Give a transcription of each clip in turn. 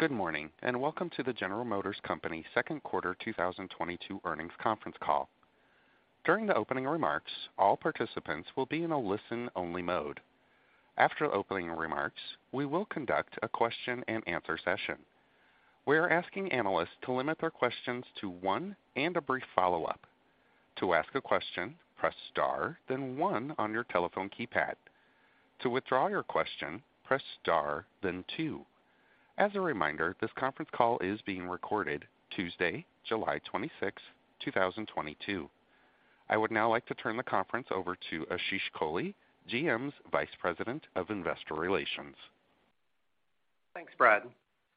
Good morning and welcome to the General Motors Company second quarter 2022 earnings conference call. During the opening remarks, all participants will be in a listen-only mode. After opening remarks, we will conduct a question-and-answer session. We are asking analysts to limit their questions to one and a brief follow-up. To ask a question, press star, then one on your telephone keypad. To withdraw your question, press star, then two. As a reminder, this conference call is being recorded Tuesday, July 26th, 2022. I would now like to turn the conference over to Ashish Kohli, GM's Vice President of Investor Relations. Thanks, Brad.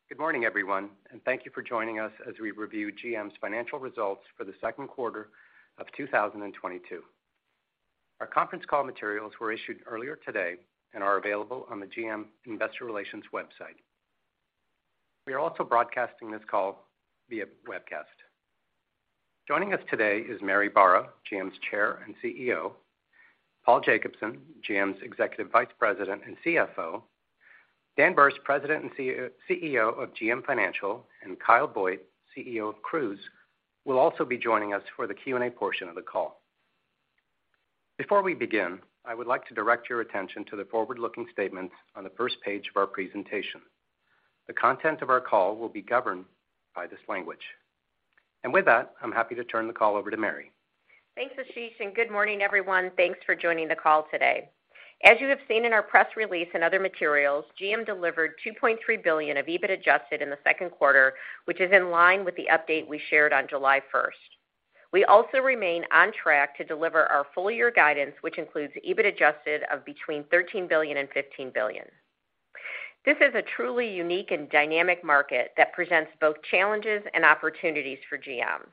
Good morning everyone and thank you for joining us as we review GM's financial results for the second quarter of 2022. Our conference call materials were issued earlier today and are available on the GM Investor Relations website. We are also broadcasting this call via webcast. Joining us today is Mary Barra, GM's Chair and CEO, Paul Jacobson, GM's Executive Vice President and CFO. Dan Berce, President and CEO of GM Financial, and Kyle Vogt, CEO of Cruise, will also be joining us for the Q&A portion of the call. Before we begin, I would like to direct your attention to the forward-looking statements on the first page of our presentation. The content of our call will be governed by this language. With that, I'm happy to turn the call over to Mary. Thanks Ashish, and good morning everyone. Thanks for joining the call today. As you have seen in our press release and other materials, GM delivered $2.3 billion of EBIT adjusted in the second quarter, which is in line with the update we shared on July 1. We also remain on track to deliver our full year guidance, which includes EBIT adjusted of between $13 billion and $15 billion. This is a truly unique and dynamic market that presents both challenges and opportunities for GM.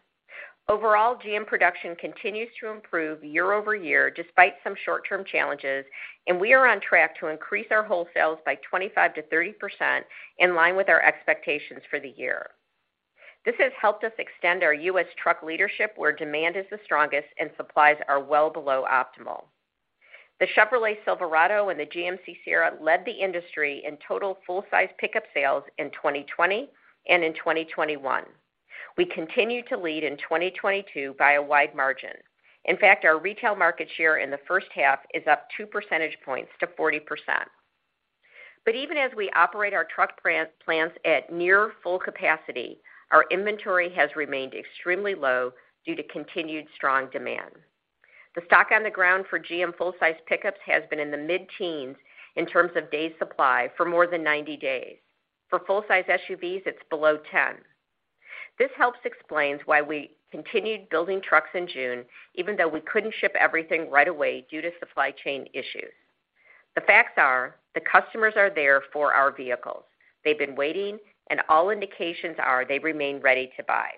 Overall, GM production continues to improve year-over-year despite some short-term challenges, and we are on track to increase our wholesales by 25%-30% in line with our expectations for the year. This has helped us extend our U.S. truck leadership, where demand is the strongest and supplies are well below optimal. The Chevrolet Silverado and the GMC Sierra led the industry in total full-size pickup sales in 2020 and in 2021. We continue to lead in 2022 by a wide margin. In fact, our retail market share in the first half is up 2 percentage points to 40%. Even as we operate our truck plant, plants at near full capacity, our inventory has remained extremely low due to continued strong demand. The stock on the ground for GM full-size pickups has been in the mid-teens in terms of days supply for more than 90 days. For full-size SUVs, it's below 10. This helps explains why we continued building trucks in June, even though we couldn't ship everything right away due to supply chain issues. The facts are the customers are there for our vehicles. They've been waiting and all indications are they remain ready to buy.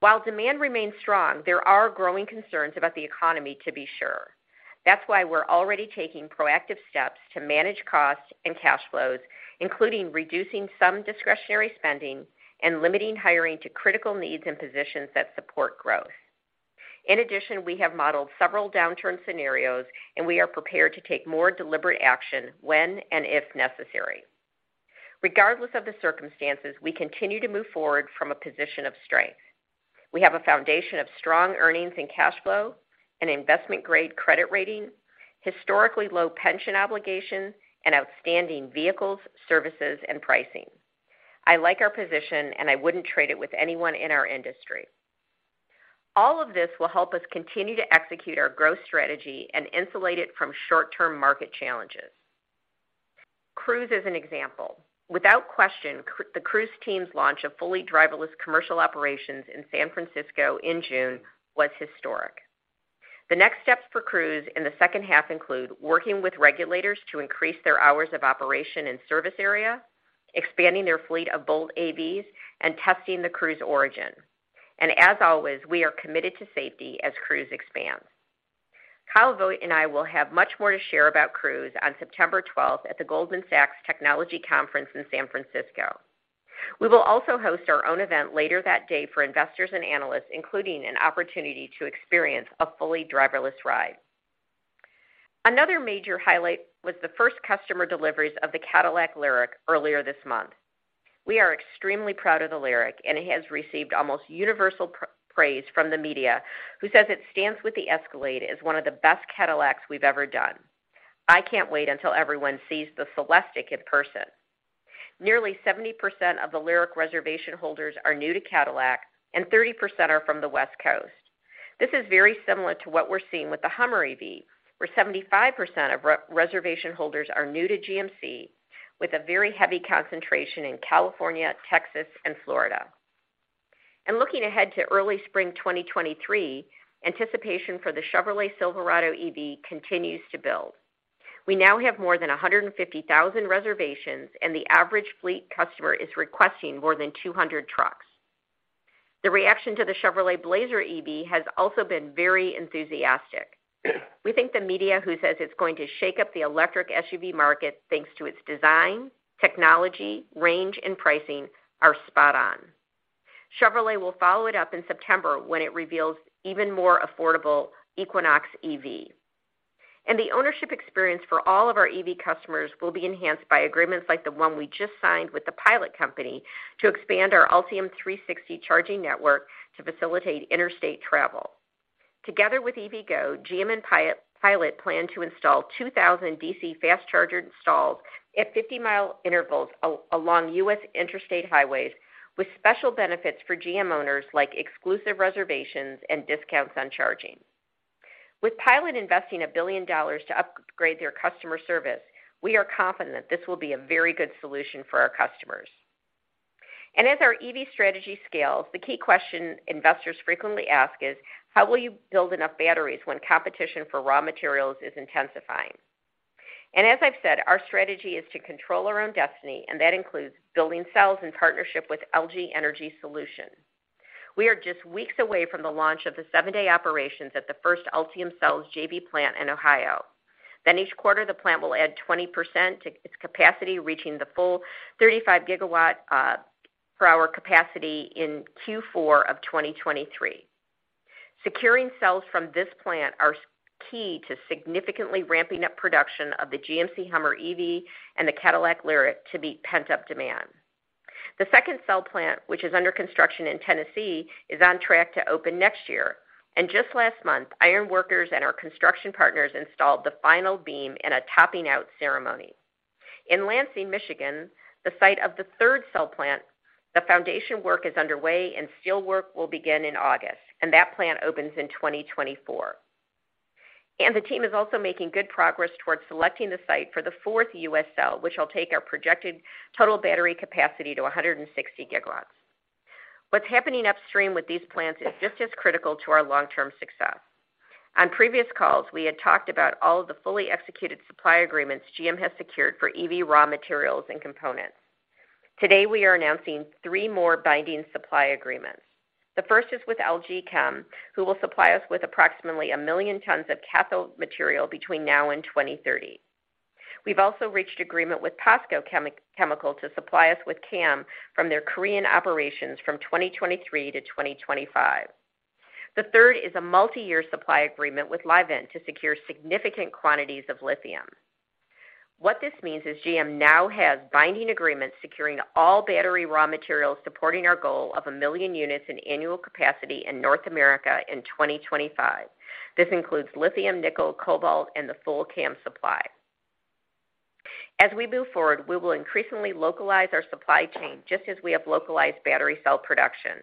While demand remains strong, there are growing concerns about the economy, to be sure. That's why we're already taking proactive steps to manage costs and cash flows, including reducing some discretionary spending and limiting hiring to critical needs and positions that support growth. In addition, we have modeled several downturn scenarios, and we are prepared to take more deliberate action when and if necessary. Regardless of the circumstances, we continue to move forward from a position of strength. We have a foundation of strong earnings and cash flow, an investment-grade credit rating, historically low pension obligations, and outstanding vehicles, services, and pricing. I like our position, and I wouldn't trade it with anyone in our industry. All of this will help us continue to execute our growth strategy and insulate it from short-term market challenges. Cruise is an example. Without question, the Cruise team's launch of fully driverless commercial operations in San Francisco in June was historic. The next steps for Cruise in the second half include working with regulators to increase their hours of operation and service area, expanding their fleet of Bolt AVs, and testing the Cruise Origin. As always, we are committed to safety as Cruise expands. Kyle Vogt and I will have much more to share about Cruise on September 12th at the Goldman Sachs Communacopia and Technology Conference in San Francisco. We will also host our own event later that day for investors and analysts, including an opportunity to experience a fully driverless ride. Another major highlight was the first customer deliveries of the Cadillac LYRIQ earlier this month. We are extremely proud of the LYRIQ, and it has received almost universal praise from the media, who says it stands with the Escalade as one of the best Cadillacs we've ever done. I can't wait until everyone sees the CELESTIQ in person. Nearly 70% of the LYRIQ reservation holders are new to Cadillac, and 30% are from the West Coast. This is very similar to what we're seeing with the Hummer EV, where 75% of reservation holders are new to GMC, with a very heavy concentration in California, Texas, and Florida. Looking ahead to early spring 2023, anticipation for the Chevrolet Silverado EV continues to build. We now have more than 150,000 reservations, and the average fleet customer is requesting more than 200 trucks. The reaction to the Chevrolet Blazer EV has also been very enthusiastic. We think the media, who says it's going to shake up the electric SUV market thanks to its design, technology, range, and pricing, are spot on. Chevrolet will follow it up in September when it reveals even more affordable Equinox EV. The ownership experience for all of our EV customers will be enhanced by agreements like the one we just signed with the Pilot Company to expand our Ultium 360 charging network to facilitate interstate travel. Together with EVgo, GM and Pilot plan to install 2,000 DC fast charger installs at 50-mile intervals along U.S. interstate highways with special benefits for GM owners like exclusive reservations and discounts on charging. With Pilot investing $1 billion to upgrade their customer service, we are confident this will be a very good solution for our customers. As our EV strategy scales, the key question investors frequently ask is, "How will you build enough batteries when competition for raw materials is intensifying?" As I've said, our strategy is to control our own destiny and that includes building cells in partnership with LG Energy Solution. We are just weeks away from the launch of the seven-day operations at the first Ultium Cells JV plant in Ohio. Each quarter, the plant will add 20% to its capacity, reaching the full 35 gigawatt-hours capacity in Q4 of 2023. Securing cells from this plant is key to significantly ramping up production of the GMC Hummer EV and the Cadillac LYRIQ to meet pent-up demand. The second cell plant, which is under construction in Tennessee, is on track to open next year. Just last month, ironworkers and our construction partners installed the final beam in a topping out ceremony. In Lansing, Michigan, the site of the third cell plant, the foundation work is underway and steelwork will begin in August, and that plant opens in 2024. The team is also making good progress towards selecting the site for the fourth U.S. cell, which will take our projected total battery capacity to 160 gigawatts. What's happening upstream with these plants is just as critical to our long-term success. On previous calls, we had talked about all of the fully executed supply agreements GM has secured for EV raw materials and components. Today, we are announcing 3 more binding supply agreements. The first is with LG Chem, who will supply us with approximately 1 million tons of cathode material between now and 2030. We've also reached agreement with POSCO Chemical to supply us with CAM from their Korean operations from 2023 to 2025. The third is a multiyear supply agreement with Livent to secure significant quantities of lithium. What this means is GM now has binding agreements securing all battery raw materials supporting our goal of a million units in annual capacity in North America in 2025. This includes lithium, nickel, cobalt, and the full CAM supply. As we move forward, we will increasingly localize our supply chain, just as we have localized battery cell production.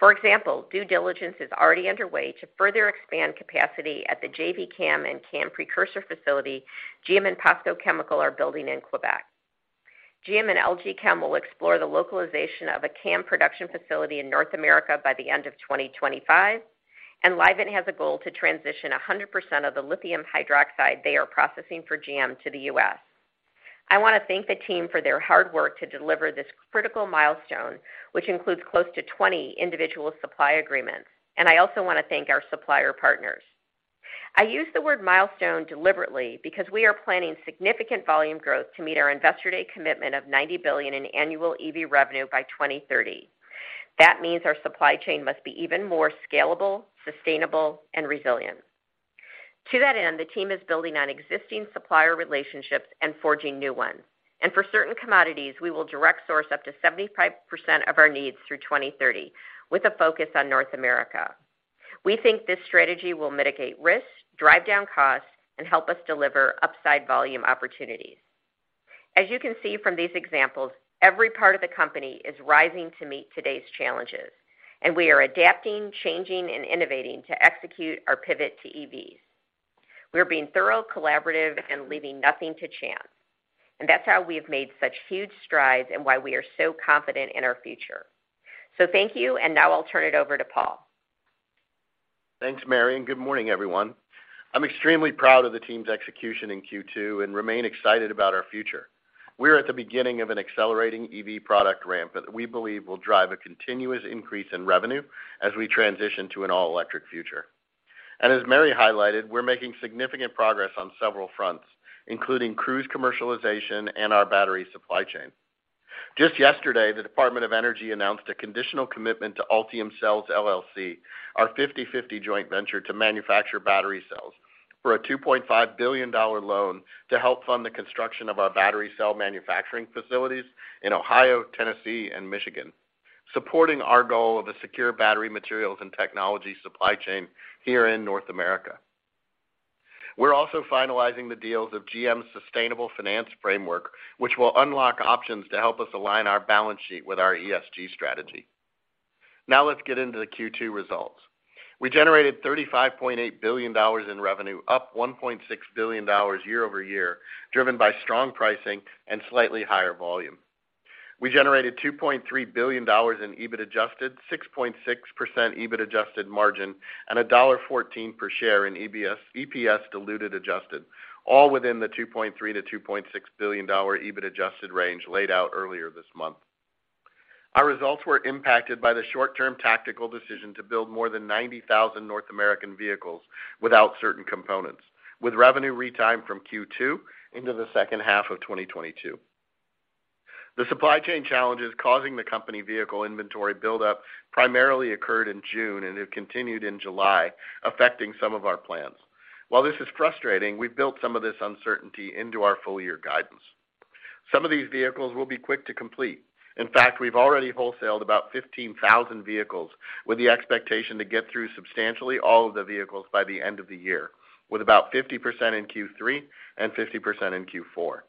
For example, due diligence is already underway to further expand capacity at the JV CAM and CAM precursor facility GM and POSCO Chemical are building in Québec. GM and LG Chem will explore the localization of a CAM production facility in North America by the end of 2025, and Livent has a goal to transition 100% of the lithium hydroxide they are processing for GM to the U.S. I want to thank the team for their hard work to deliver this critical milestone, which includes close to 20 individual supply agreements, and I also want to thank our supplier partners. I use the word milestone deliberately because we are planning significant volume growth to meet our Investor Day commitment of $90 billion in annual EV revenue by 2030. That means our supply chain must be even more scalable, sustainable, and resilient. To that end, the team is building on existing supplier relationships and forging new ones. For certain commodities, we will direct source up to 75% of our needs through 2030, with a focus on North America. We think this strategy will mitigate risks, drive down costs, and help us deliver upside volume opportunities. As you can see from these examples, every part of the company is rising to meet today's challenges, and we are adapting, changing, and innovating to execute our pivot to EVs. We are being thorough, collaborative, and leaving nothing to chance, and that's how we have made such huge strides and why we are so confident in our future. Thank you, and now I'll turn it over to Paul. Thanks Mary, and good morning, everyone. I'm extremely proud of the team's execution in Q2 and remain excited about our future. We're at the beginning of an accelerating EV product ramp that we believe will drive a continuous increase in revenue as we transition to an all-electric future. As Mary highlighted, we're making significant progress on several fronts, including Cruise commercialization and our battery supply chain. Just yesterday, the U.S. Department of Energy announced a conditional commitment to Ultium Cells LLC, our 50/50 joint venture to manufacture battery cells, for a $2.5 billion loan to help fund the construction of our battery cell manufacturing facilities in Ohio, Tennessee, and Michigan, supporting our goal of a secure battery materials and technology supply chain here in North America. We're also finalizing the deals of GM's sustainable finance framework, which will unlock options to help us align our balance sheet with our ESG strategy. Now let's get into the Q2 results. We generated $35.8 billion in revenue, up $1.6 billion year-over-year, driven by strong pricing and slightly higher volume. We generated $2.3 billion in EBIT adjusted, 6.6% EBIT adjusted margin, and $14 per share in EPS diluted adjusted, all within the $2.3-$2.6 billion EBIT adjusted range laid out earlier this month. Our results were impacted by the short-term tactical decision to build more than 90,000 North American vehicles without certain components, with revenue re-timed from Q2 into the second half of 2022. The supply chain challenges causing the company vehicle inventory buildup primarily occurred in June and have continued in July, affecting some of our plans. While this is frustrating, we've built some of this uncertainty into our full year guidance. Some of these vehicles will be quick to complete. In fact, we've already wholesaled about 15,000 vehicles with the expectation to get through substantially all of the vehicles by the end of the year, with about 50% in Q3 and 50% in Q4.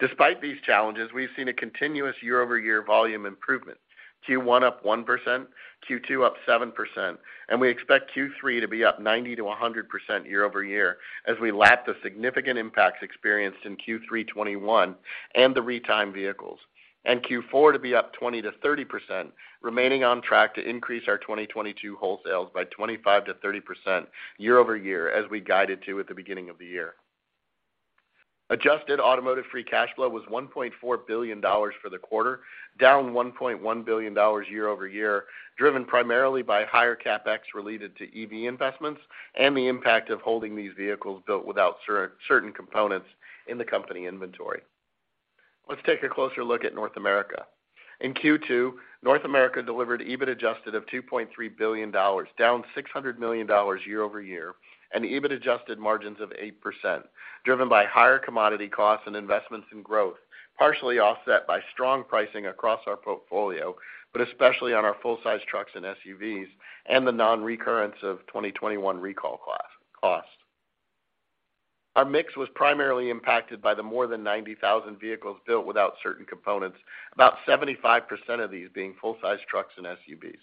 Despite these challenges, we've seen a continuous year-over-year volume improvement, Q1 up 1%, Q2 up 7%, and we expect Q3 to be up 90%-100% year over year as we lap the significant impacts experienced in Q3 2021 and the retime vehicles, and Q4 to be up 20%-30%, remaining on track to increase our 2022 wholesales by 25%-30% year over year as we guided to at the beginning of the year. Adjusted automotive free cash flow was $1.4 billion for the quarter, down $1.1 billion year-over-year, driven primarily by higher CapEx related to EV investments and the impact of holding these vehicles built without certain components in the company inventory. Let's take a closer look at North America. In Q2, North America delivered EBIT adjusted of $2.3 billion, down $600 million year-over-year, and EBIT adjusted margins of 8%, driven by higher commodity costs and investments in growth, partially offset by strong pricing across our portfolio, but especially on our full-size trucks and SUVs and the non-recurrence of 2021 recall costs. Our mix was primarily impacted by the more than 90,000 vehicles built without certain components, about 75% of these being full-size trucks and SUVs.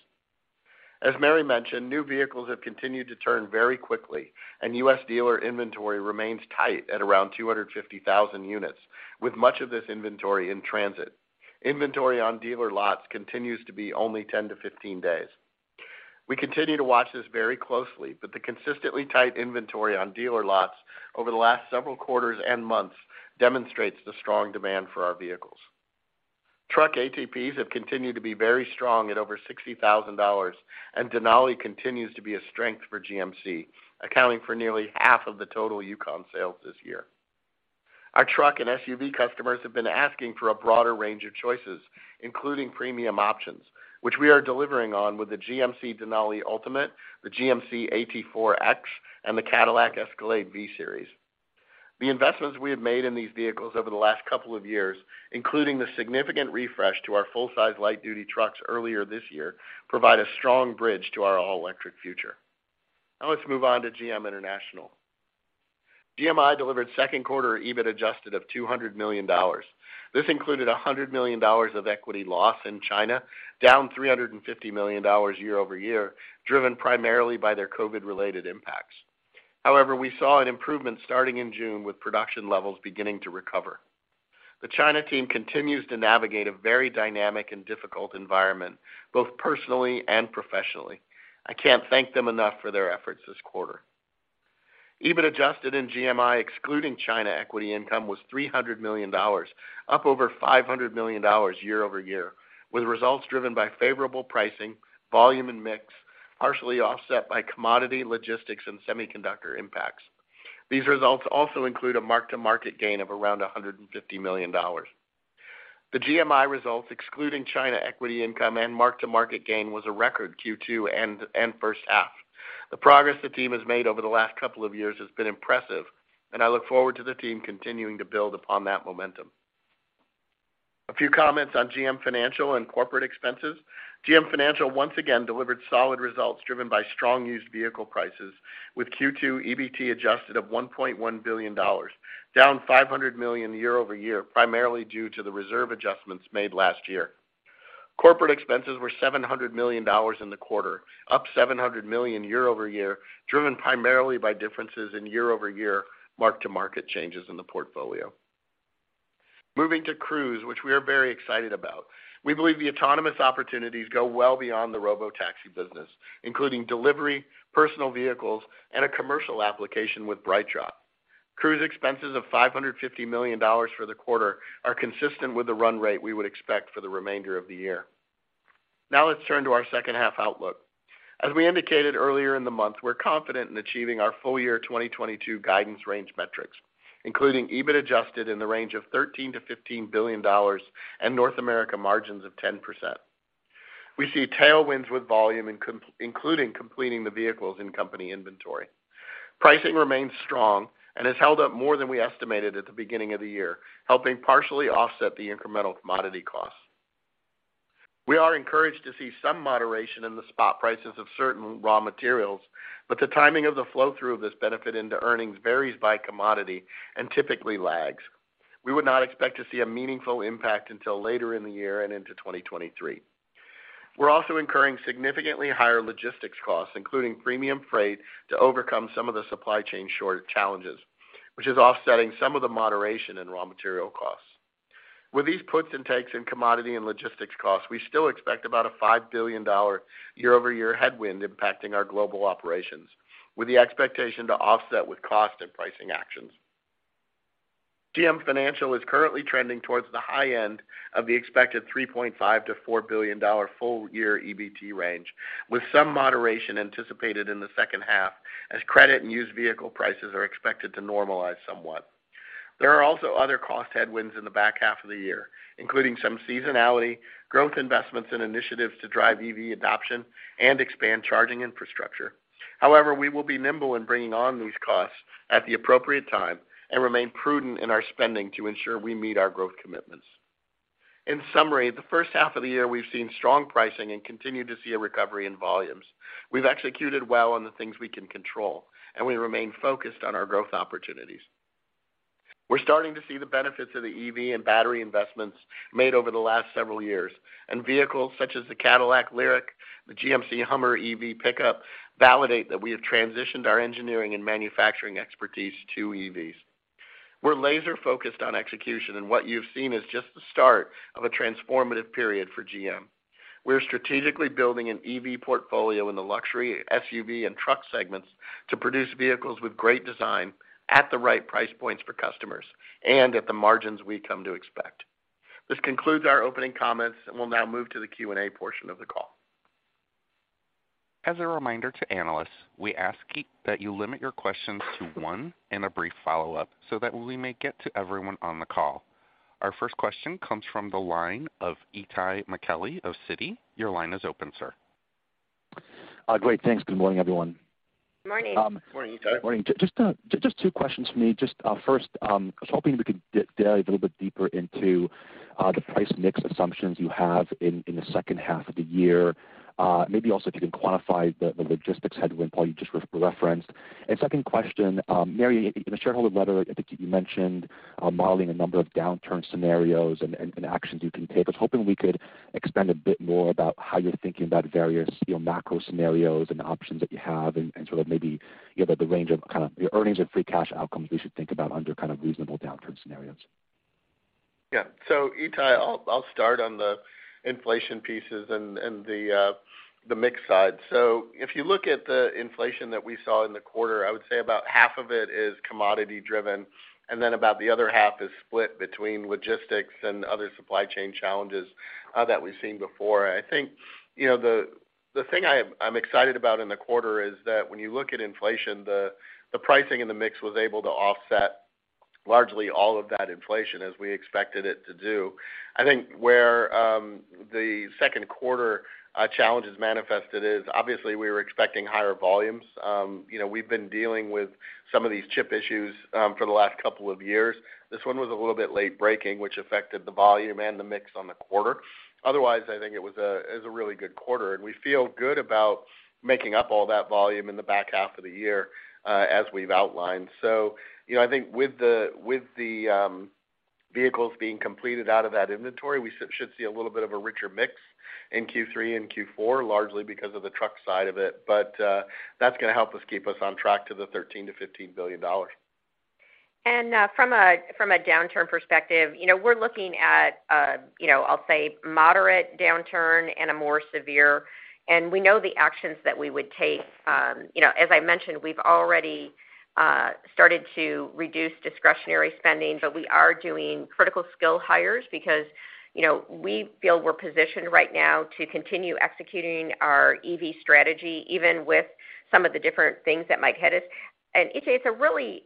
As Mary mentioned, new vehicles have continued to turn very quickly, and U.S. dealer inventory remains tight at around 250,000 units, with much of this inventory in transit. Inventory on dealer lots continues to be only 10-15 days. We continue to watch this very closely, but the consistently tight inventory on dealer lots over the last several quarters and months demonstrates the strong demand for our vehicles. Truck ATPs have continued to be very strong at over $60,000, and Denali continues to be a strength for GMC, accounting for nearly half of the total Yukon sales this year. Our truck and SUV customers have been asking for a broader range of choices, including premium options, which we are delivering on with the GMC Denali Ultimate, the GMC AT4X, and the Cadillac Escalade-V. The investments we have made in these vehicles over the last couple of years, including the significant refresh to our full-size light-duty trucks earlier this year, provide a strong bridge to our all-electric future. Now let's move on to GM International. GMI delivered second quarter EBIT adjusted of $200 million. This included $100 million of equity loss in China, down $350 million year-over-year, driven primarily by their COVID-related impacts. However, we saw an improvement starting in June with production levels beginning to recover. The China team continues to navigate a very dynamic and difficult environment, both personally and professionally. I can't thank them enough for their efforts this quarter. EBIT adjusted in GMI, excluding China equity income, was $300 million, up over $500 million year-over-year, with results driven by favorable pricing, volume and mix, partially offset by commodity, logistics, and semiconductor impacts. These results also include a mark-to-market gain of around $150 million. The GMI results, excluding China equity income and mark-to-market gain, was a record Q2 and first half. The progress the team has made over the last couple of years has been impressive, and I look forward to the team continuing to build upon that momentum. A few comments on GM Financial and corporate expenses. GM Financial, once again, delivered solid results driven by strong used vehicle prices with Q2 EBT adjusted of $1.1 billion, down $500 million year-over-year, primarily due to the reserve adjustments made last year. Corporate expenses were $700 million in the quarter, up $700 million year-over-year, driven primarily by differences in year-over-year mark-to-market changes in the portfolio. Moving to Cruise, which we are very excited about. We believe the autonomous opportunities go well beyond the robotaxi business, including delivery, personal vehicles, and a commercial application with BrightDrop. Cruise expenses of $550 million for the quarter are consistent with the run rate we would expect for the remainder of the year. Now let's turn to our second half outlook. As we indicated earlier in the month, we're confident in achieving our full year 2022 guidance range metrics, including EBIT adjusted in the range of $13 billion-$15 billion and North America margins of 10%. We see tailwinds with volume including completing the vehicles in company inventory. Pricing remains strong and has held up more than we estimated at the beginning of the year, helping partially offset the incremental commodity costs. We are encouraged to see some moderation in the spot prices of certain raw materials, but the timing of the flow-through of this benefit into earnings varies by commodity and typically lags. We would not expect to see a meaningful impact until later in the year and into 2023. We're also incurring significantly higher logistics costs, including premium freight, to overcome some of the supply chain shortages, which is offsetting some of the moderation in raw material costs. With these puts and takes in commodity and logistics costs, we still expect about a $5 billion year-over-year headwind impacting our global operations, with the expectation to offset with cost and pricing actions. GM Financial is currently trending towards the high end of the expected $3.5-$4 billion full year EBT range, with some moderation anticipated in the second half as credit and used vehicle prices are expected to normalize somewhat. There are also other cost headwinds in the back half of the year, including some seasonality, growth investments and initiatives to drive EV adoption and expand charging infrastructure. However, we will be nimble in bringing on these costs at the appropriate time and remain prudent in our spending to ensure we meet our growth commitments. In summary, the first half of the year, we've seen strong pricing and continue to see a recovery in volumes. We've executed well on the things we can control, and we remain focused on our growth opportunities. We're starting to see the benefits of the EV and battery investments made over the last several years, and vehicles such as the Cadillac LYRIQ, the GMC Hummer EV pickup, validate that we have transitioned our engineering and manufacturing expertise to EVs. We're laser focused on execution, and what you've seen is just the start of a transformative period for GM. We're strategically building an EV portfolio in the luxury SUV and truck segments to produce vehicles with great design at the right price points for customers and at the margins we come to expect. This concludes our opening comments, and we'll now move to the Q&A portion of the call. As a reminder to analysts, we ask that you limit your questions to one and a brief follow-up so that we may get to everyone on the call. Our first question comes from the line of Itay Michaeli of Citi. Your line is open, sir. Great. Thanks. Good morning, everyone. Morning. Morning, Itay. Morning. Just two questions for me. Just first, I was hoping we could dive a little bit deeper into the price mix assumptions you have in the second half of the year. Maybe also if you can quantify the logistics headwind, Paul, you just referenced. Second question, Mary, in the shareholder letter, I think you mentioned modeling a number of downturn scenarios and actions you can take. I was hoping we could expand a bit more about how you're thinking about various, you know, macro scenarios and options that you have and sort of maybe, you know, the range of kind of your earnings and free cash outcomes we should think about under kind of reasonable downturn scenarios. Yeah. Itay, I'll start on the inflation pieces and the mix side. If you look at the inflation that we saw in the quarter, I would say about half of it is commodity driven, and then about the other half is split between logistics and other supply chain challenges that we've seen before. I think, you know, the thing I'm excited about in the quarter is that when you look at inflation, the pricing in the mix was able to offset largely all of that inflation as we expected it to do. I think where the second quarter challenges manifested is obviously we were expecting higher volumes. You know, we've been dealing with some of these chip issues for the last couple of years. This one was a little bit late breaking which affected the volume and the mix on the quarter. Otherwise, I think it was a really good quarter, and we feel good about making up all that volume in the back half of the year, as we've outlined. You know, I think with the vehicles being completed out of that inventory, we should see a little bit of a richer mix in Q3 and Q4, largely because of the truck side of it. That's going to help us keep us on track to the $13 billion-$15 billion. From a downturn perspective, you know, we're looking at, you know, I'll say moderate downturn and a more severe - and we know the actions that we would take. You know, as I mentioned, we've already started to reduce discretionary spending, but we are doing critical skill hires because, you know, we feel we're positioned right now to continue executing our EV strategy, even with some of the different things that might hit us. Itay, it's a really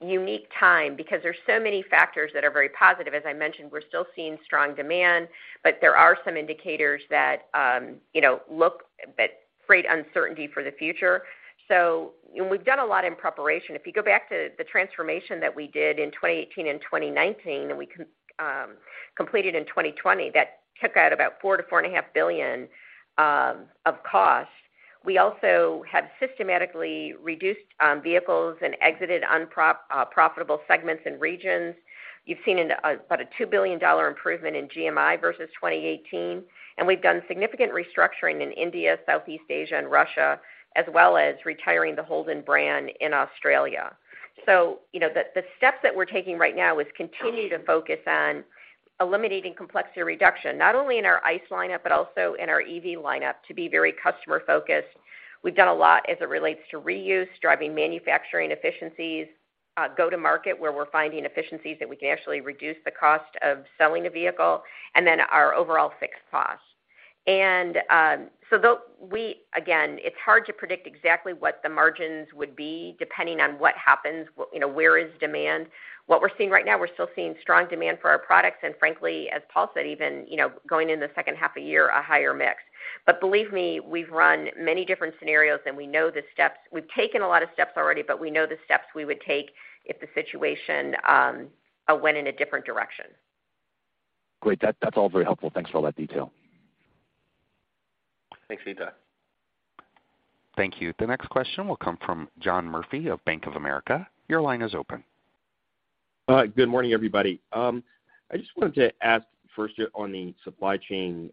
unique time because there's so many factors that are very positive. As I mentioned, we're still seeing strong demand, but there are some indicators that, you know, look that create uncertainty for the future. We've done a lot in preparation. If you go back to the transformation that we did in 2018 and 2019, and we completed in 2020, that took out about $4 billion-$4.5 billion of cost. We also have systematically reduced vehicles and exited unprofitable segments and regions. You've seen about a $2 billion improvement in GMI versus 2018, and we've done significant restructuring in India, Southeast Asia, and Russia, as well as retiring the Holden brand in Australia. You know, the steps that we're taking right now is continue to focus on eliminating complexity reduction, not only in our ICE lineup, but also in our EV lineup to be very customer-focused. We've done a lot as it relates to reuse, driving manufacturing efficiencies, go to market where we're finding efficiencies that we can actually reduce the cost of selling a vehicle, and then our overall fixed costs. Again, it's hard to predict exactly what the margins would be, depending on what happens, you know, where is demand. What we're seeing right now, we're still seeing strong demand for our products. Frankly, as Paul said, even, you know, going in the second half a year, a higher mix. Believe me, we've run many different scenarios, and we know the steps. We've taken a lot of steps already, but we know the steps we would take if the situation went in a different direction. Great. That's all very helpful. Thanks for all that detail. Thanks, Itay. Thank you. The next question will come from John Murphy of Bank of America. Your line is open. Good morning, everybody. I just wanted to ask first on the supply chain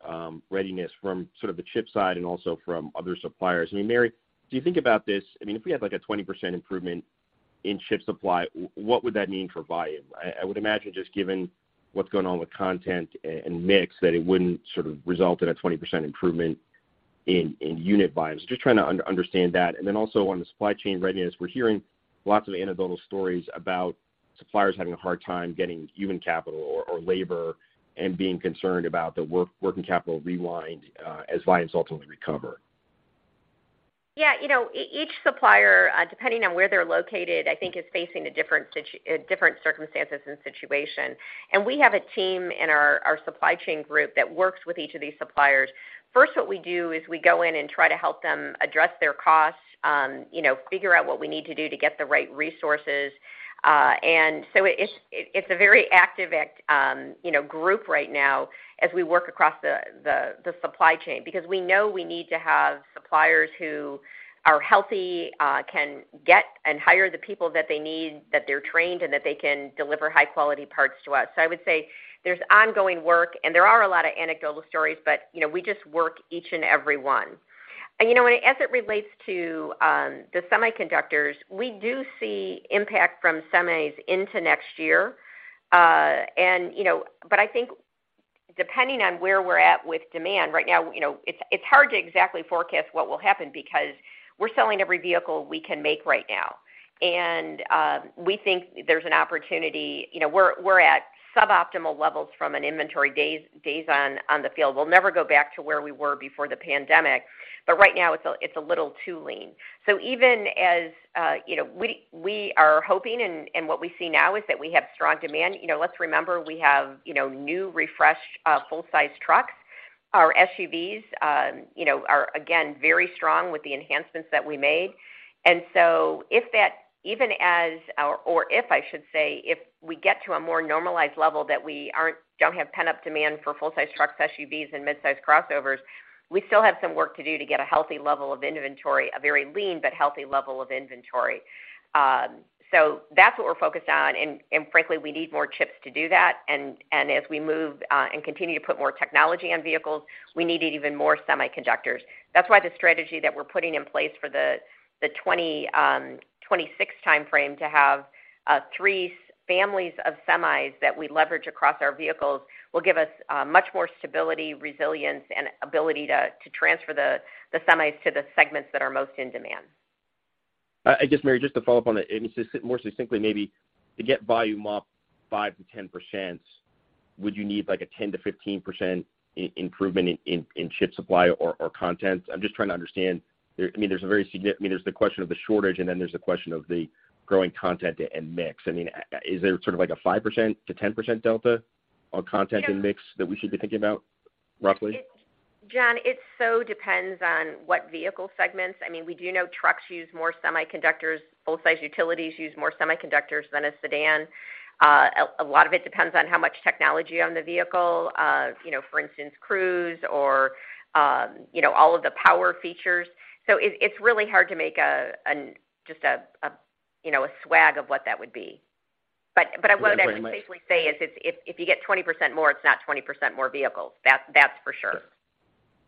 readiness from sort of the chip side and also from other suppliers. I mean, Mary, do you think about this? I mean if we had like a 20% improvement in chip supply, what would that mean for volume? I would imagine just given what's going on with content and mix, that it wouldn't sort of result in a 20% improvement in unit volumes. Just trying to understand that. Also on the supply chain readiness, we're hearing lots of anecdotal stories about suppliers having a hard time getting human capital or labor and being concerned about the working capital runway as volumes ultimately recover. Yeah. You know, each supplier, depending on where they're located, I think is facing a different circumstances and situation. We have a team in our supply chain group that works with each of these suppliers. First, what we do is we go in and try to help them address their costs, you know, figure out what we need to do to get the right resources. It's a very active group right now as we work across the supply chain. Because we know we need to have suppliers who are healthy, can get and hire the people that they need, that they're trained, and that they can deliver high-quality parts to us. I would say there's ongoing work and there are a lot of anecdotal stories, but you know, we just work each and every one. You know, as it relates to the semiconductors, we do see impact from semis into next year. You know, but I think depending on where we're at with demand right now, you know, it's hard to exactly forecast what will happen because we're selling every vehicle we can make right now. We think there's an opportunity. You know, we're at suboptimal levels from an inventory, days on the field. We'll never go back to where we were before the pandemic. Right now, it's a little too lean. Even as you know, we are hoping, and what we see now is that we have strong demand. You know, let's remember, we have, you know, new refreshed full-size trucks. Our SUVs, you know, are again very strong with the enhancements that we made. If that even as our, or if I should say, if we get to a more normalized level that we don't have pent-up demand for full-size trucks, SUVs, and mid-size crossovers, we still have some work to do to get a healthy level of inventory, a very lean but healthy level of inventory. That's what we're focused on. Frankly, we need more chips to do that. As we move and continue to put more technology on vehicles, we need even more semiconductors. That's why the strategy that we're putting in place for the 2026 timeframe to have three families of semis that we leverage across our vehicles will give us much more stability, resilience, and ability to transfer the semis to the segments that are most in demand. I guess Mary, just to follow up on it, and just more succinctly maybe, to get volume up 5%-10%, would you need like a 10%-15% improvement in chip supply or content? I'm just trying to understand. I mean, there's the question of the shortage, and then there's the question of the growing content and mix. I mean, is there sort of like a 5%-10% delta on content and mix that we should be thinking about roughly? John, it so depends on what vehicle segments. I mean we do know trucks use more semiconductors, full-size utilities use more semiconductors than a sedan. A lot of it depends on how much technology on the vehicle. You know, for instance, Cruise or, you know, all of the power features. It's really hard to make just a swag of what that would be. But I would actually safely say is if you get 20% more, it's not 20% more vehicles. That's for sure.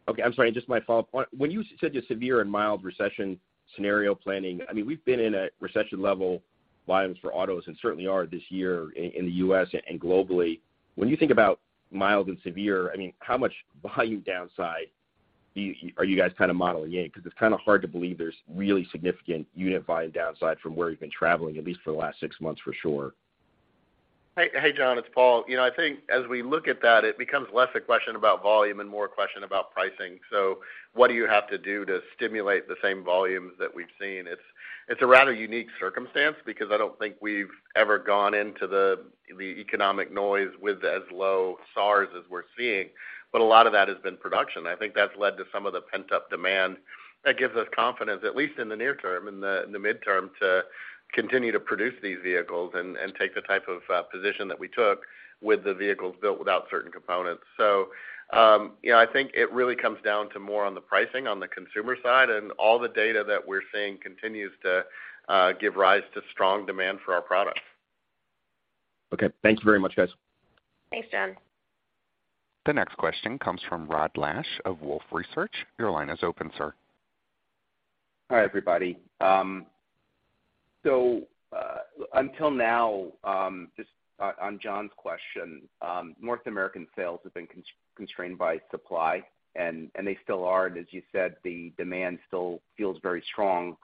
Okay. I'm sorry, just my follow-up point. When you said your severe and mild recession scenario planning, I mean, we've been in a recession-level volumes for autos and certainly are this year in the US and globally. When you think about mild and severe, I mean, how much volume downside do you, are you guys kind of modeling in? Because it's kind of hard to believe there's really significant unit volume downside from where you've been traveling, at least for the last six months, for sure. Hey John, it's Paul. You know, I think as we look at that, it becomes less a question about volume and more a question about pricing. What do you have to do to stimulate the same volumes that we've seen? It's a rather unique circumstance because I don't think we've ever gone into the economic noise with as low SAARs as we're seeing, but a lot of that has been production. I think that's led to some of the pent-up demand that gives us confidence, at least in the near term, in the midterm, to continue to produce these vehicles and take the type of position that we took with the vehicles built without certain components. You know, I think it really comes down to more on the pricing on the consumer side and all the data that we're seeing continues to give rise to strong demand for our products. Okay. Thank you very much, guys. Thanks, John. The next question comes from Rod Lache of Wolfe Research. Your line is open, sir. Hi, everybody. Until now, just on John's question, North American sales have been constrained by supply, and they still are. As you said, the demand still feels very strong.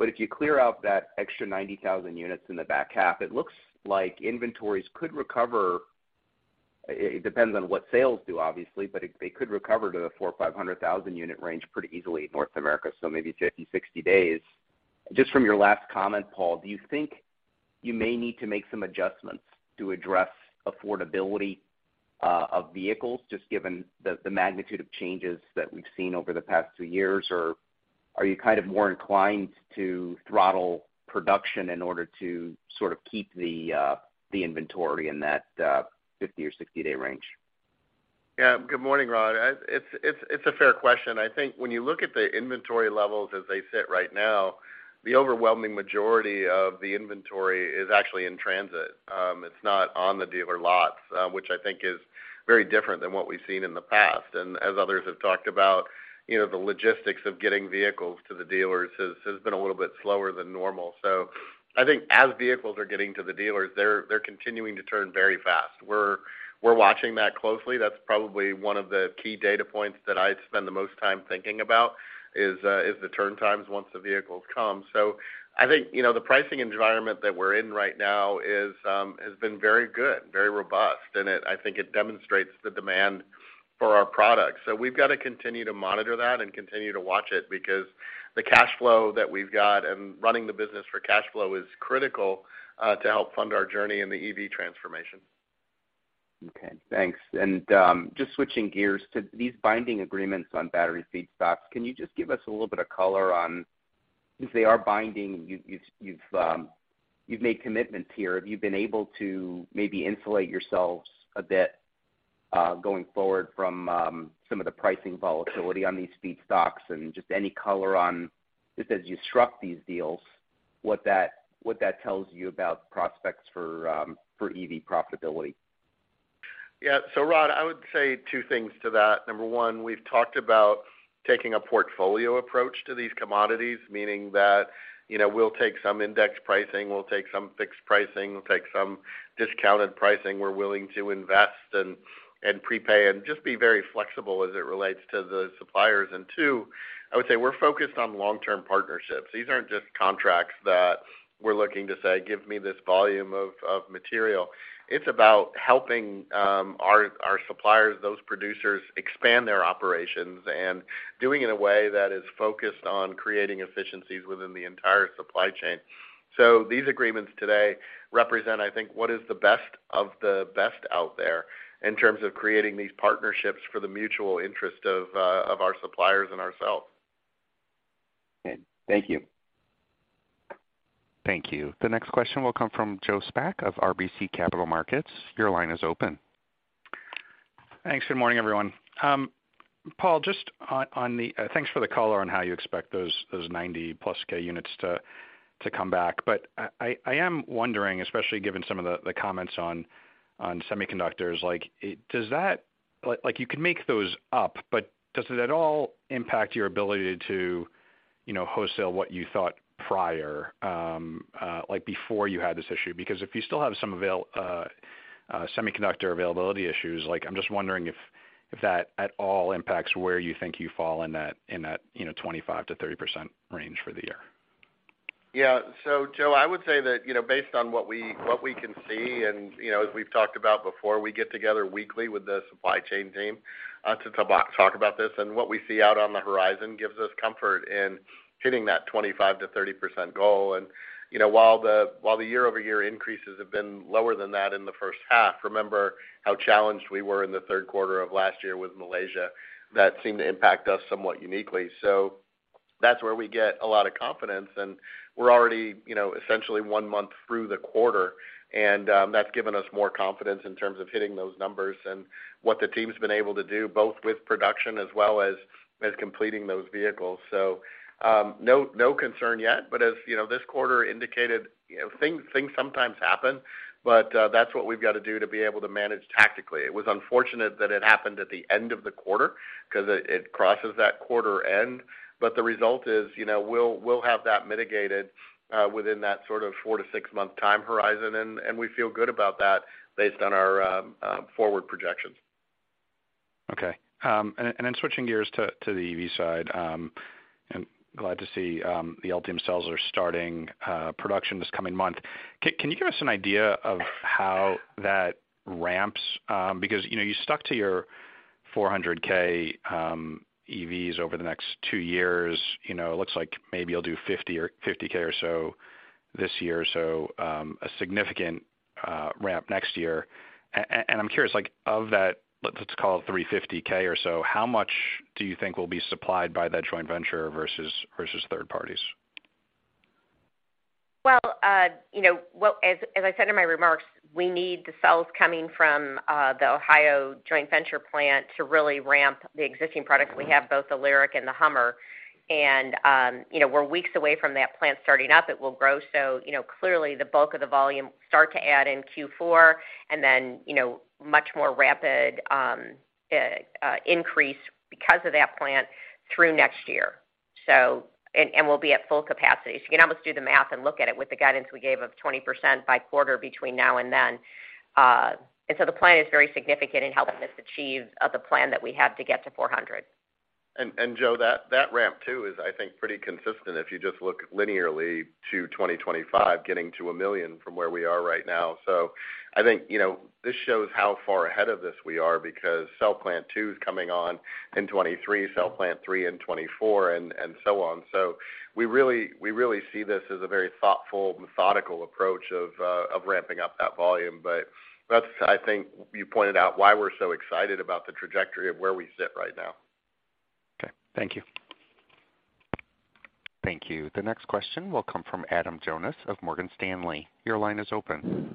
If you clear out that extra 90,000 units in the back half, it looks like inventories could recover. It depends on what sales do, obviously, but they could recover to the 400,000-500,000 unit range pretty easily in North America, so maybe 50-60 days. Just from your last comment, Paul, do you think you may need to make some adjustments to address affordability of vehicles just given the magnitude of changes that we've seen over the past two years? Are you kind of more inclined to throttle production in order to sort of keep the inventory in that 50 or 60 day range? Yeah. Good morning, Rod. It's a fair question. I think when you look at the inventory levels as they sit right now, the overwhelming majority of the inventory is actually in transit. It's not on the dealer lots which I think is very different than what we've seen in the past. As others have talked about, you know, the logistics of getting vehicles to the dealers has been a little bit slower than normal. I think as vehicles are getting to the dealers, they're continuing to turn very fast. We're watching that closely. That's probably one of the key data points that I spend the most time thinking about is the turn times once the vehicles come. I think, you know, the pricing environment that we're in right now is - has been very good, very robust, and it I think it demonstrates the demand for our products. We've got to continue to monitor that and continue to watch it because the cash flow that we've got and running the business for cash flow is critical, to help fund our journey in the EV transformation. Okay, thanks. Just switching gears to these binding agreements on battery feedstocks, can you just give us a little bit of color on if they are binding, you've made commitments here. Have you been able to maybe insulate yourselves a bit, going forward from some of the pricing volatility on these feedstocks? Just any color on just as you struck these deals, what that tells you about prospects for EV profitability. Yeah. Rod, I would say two things to that. Number one, we've talked about taking a portfolio approach to these commodities, meaning that, you know, we'll take some index pricing, we'll take some fixed pricing, we'll take some discounted pricing. We're willing to invest and prepay and just be very flexible as it relates to the suppliers. Two, I would say we're focused on long-term partnerships. These aren't just contracts that we're looking to say, "Give me this volume of material." It's about helping our suppliers, those producers expand their operations and doing it in a way that is focused on creating efficiencies within the entire supply chain. These agreements today represent I think what is the best of the best out there in terms of creating these partnerships for the mutual interest of our suppliers and ourselves. Okay. Thank you. Thank you. The next question will come from Joe Spak of RBC Capital Markets. Your line is open. Thanks. Good morning, everyone. Paul, thanks for the color on how you expect those 90,000 units to come back. I am wondering, especially given some of the comments on semiconductors, like, does that. Like, you can make those up, but does it at all impact your ability to, you know, wholesale what you thought prior, like before you had this issue? Because if you still have some semiconductor availability issues, like I'm just wondering if that at all impacts where you think you fall in that, you know, 25%-30% range for the year. Yeah. Joe, I would say that, you know, based on what we can see, and you know, as we've talked about before, we get together weekly with the supply chain team to talk about this. What we see out on the horizon gives us comfort in hitting that 25%-30% goal. You know, while the year-over-year increases have been lower than that in the first half, remember how challenged we were in the third quarter of last year with Malaysia. That seemed to impact us somewhat uniquely. That's where we get a lot of confidence, and we're already, you know, essentially one month through the quarter, and that's given us more confidence in terms of hitting those numbers and what the team's been able to do, both with production as well as completing those vehicles. No concern yet, but as you know, this quarter indicated, you know, things sometimes happen, but that's what we've got to do to be able to manage tactically. It was unfortunate that it happened at the end of the quarter because it crosses that quarter end. The result is, you know, we'll have that mitigated within that sort of 4-6-month time horizon, and we feel good about that based on our forward projections. Okay. Switching gears to the EV side, I'm glad to see the Ultium Cells are starting production this coming month. Can you give us an idea of how that ramps? Because, you know, you stuck to your 400K EVs over the next two years. You know, it looks like maybe you'll do 50 or 50,000 or so this year. A significant ramp next year. And I'm curious, like of that, let's call it 350,000 or so, how much do you think will be supplied by that joint venture versus third parties? Well, you know, as I said in my remarks, we need the cells coming from the Ohio joint venture plant to really ramp the existing products we have, both the LYRIQ and the Hummer. You know, we're weeks away from that plant starting up. It will grow. You know, clearly the bulk of the volume start to add in Q4, and then, you know, much more rapid increase because of that plant through next year. We'll be at full capacity. You can almost do the math and look at it with the guidance we gave of 20% by quarter between now and then. The plan is very significant in helping us achieve the plan that we have to get to 400. Joe, that ramp too is, I think, pretty consistent if you just look linearly to 2025 getting to a million from where we are right now. I think, you know, this shows how far ahead of this we are because cell plant two is coming on in 2023, cell plant three in 2024, and so on. We really see this as a very thoughtful, methodical approach of ramping up that volume. That's, I think you pointed out why we're so excited about the trajectory of where we sit right now. Okay. Thank you. Thank you. The next question will come from Adam Jonas of Morgan Stanley. Your line is open.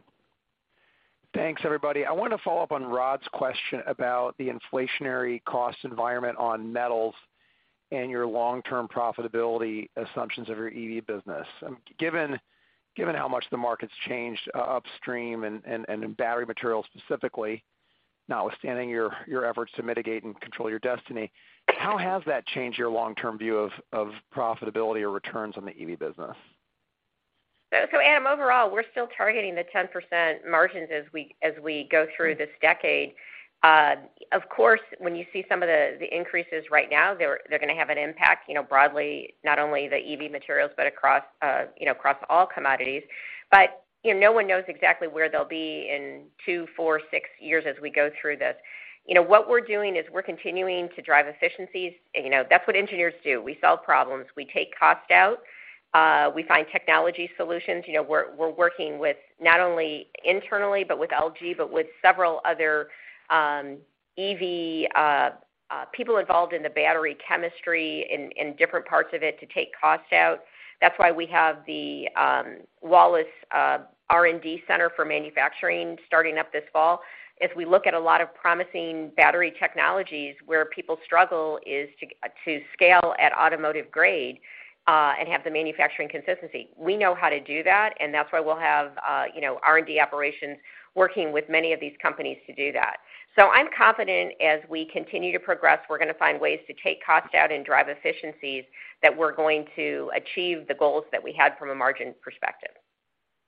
Thanks, everybody. I want to follow up on Rod's question about the inflationary cost environment on metals and your long-term profitability assumptions of your EV business. Given how much the market's changed upstream and in battery materials specifically, notwithstanding your efforts to mitigate and control your destiny, how has that changed your long-term view of profitability or returns on the EV business? Adam, overall we're still targeting the 10% margins as we go through this decade. Of course, when you see some of the increases right now, they're going to have an impact, you know, broadly, not only the EV materials, but across, you know, across all commodities. No one knows exactly where they'll be in two, four, six years as we go through this. You know, what we're doing is we're continuing to drive efficiencies. You know, that's what engineers do. We solve problems. We take cost out. We find technology solutions. You know, we're working with not only internally, but with LG, but with several other EV people involved in the battery chemistry in different parts of it to take cost out. That's why we have the Wallace R&D Center for Manufacturing starting up this fall. As we look at a lot of promising battery technologies, where people struggle is to scale at automotive grade and have the manufacturing consistency. We know how to do that and that's why we'll have you know, R&D operations working with many of these companies to do that. I'm confident as we continue to progress, we're going to find ways to take cost out and drive efficiencies that we're going to achieve the goals that we had from a margin perspective.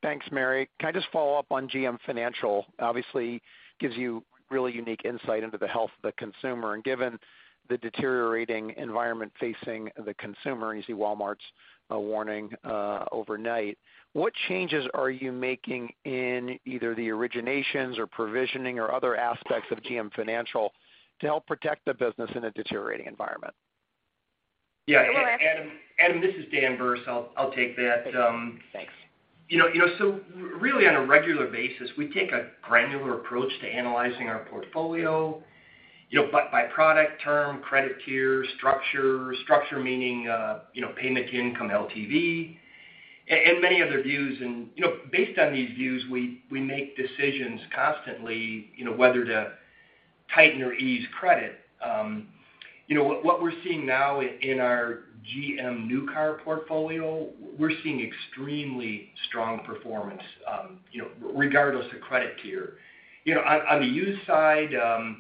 Thanks, Mary. Can I just follow up on GM Financial? Obviously gives you really unique insight into the health of the consumer. Given the deteriorating environment facing the consumer, you see Walmart's warning overnight. What changes are you making in either the originations or provisioning or other aspects of GM Financial to help protect the business in a deteriorating environment? Yeah. Adam, this is Dan Berce. I'll take that. Thanks. You know, really on a regular basis, we take a granular approach to analyzing our portfolio, you know, by product term, credit tier, structure. Structure meaning, you know, payment to income LTV, and many other views. You know, based on these views, we make decisions constantly, you know, whether to tighten or ease credit. You know, what we're seeing now in our GM new car portfolio, we're seeing extremely strong performance, you know, regardless of credit tier. You know, on the used side, you know,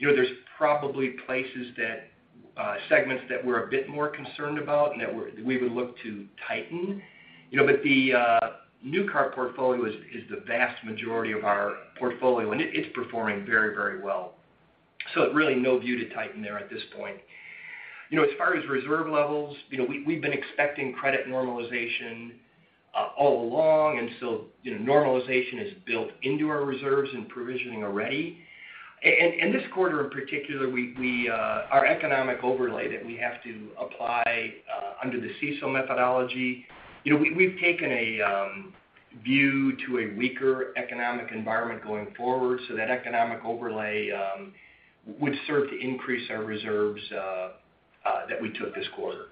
there's probably segments that we're a bit more concerned about and that we would look to tighten. You know, the new car portfolio is the vast majority of our portfolio, and it's performing very well. Really no view to tighten there at this point. You know, as far as reserve levels, you know, we've been expecting credit normalization all along, and so, you know, normalization is built into our reserves and provisioning already. In this quarter in particular, we have our economic overlay that we have to apply under the CECL methodology, you know, we've taken a view to a weaker economic environment going forward. That economic overlay would serve to increase our reserves that we took this quarter.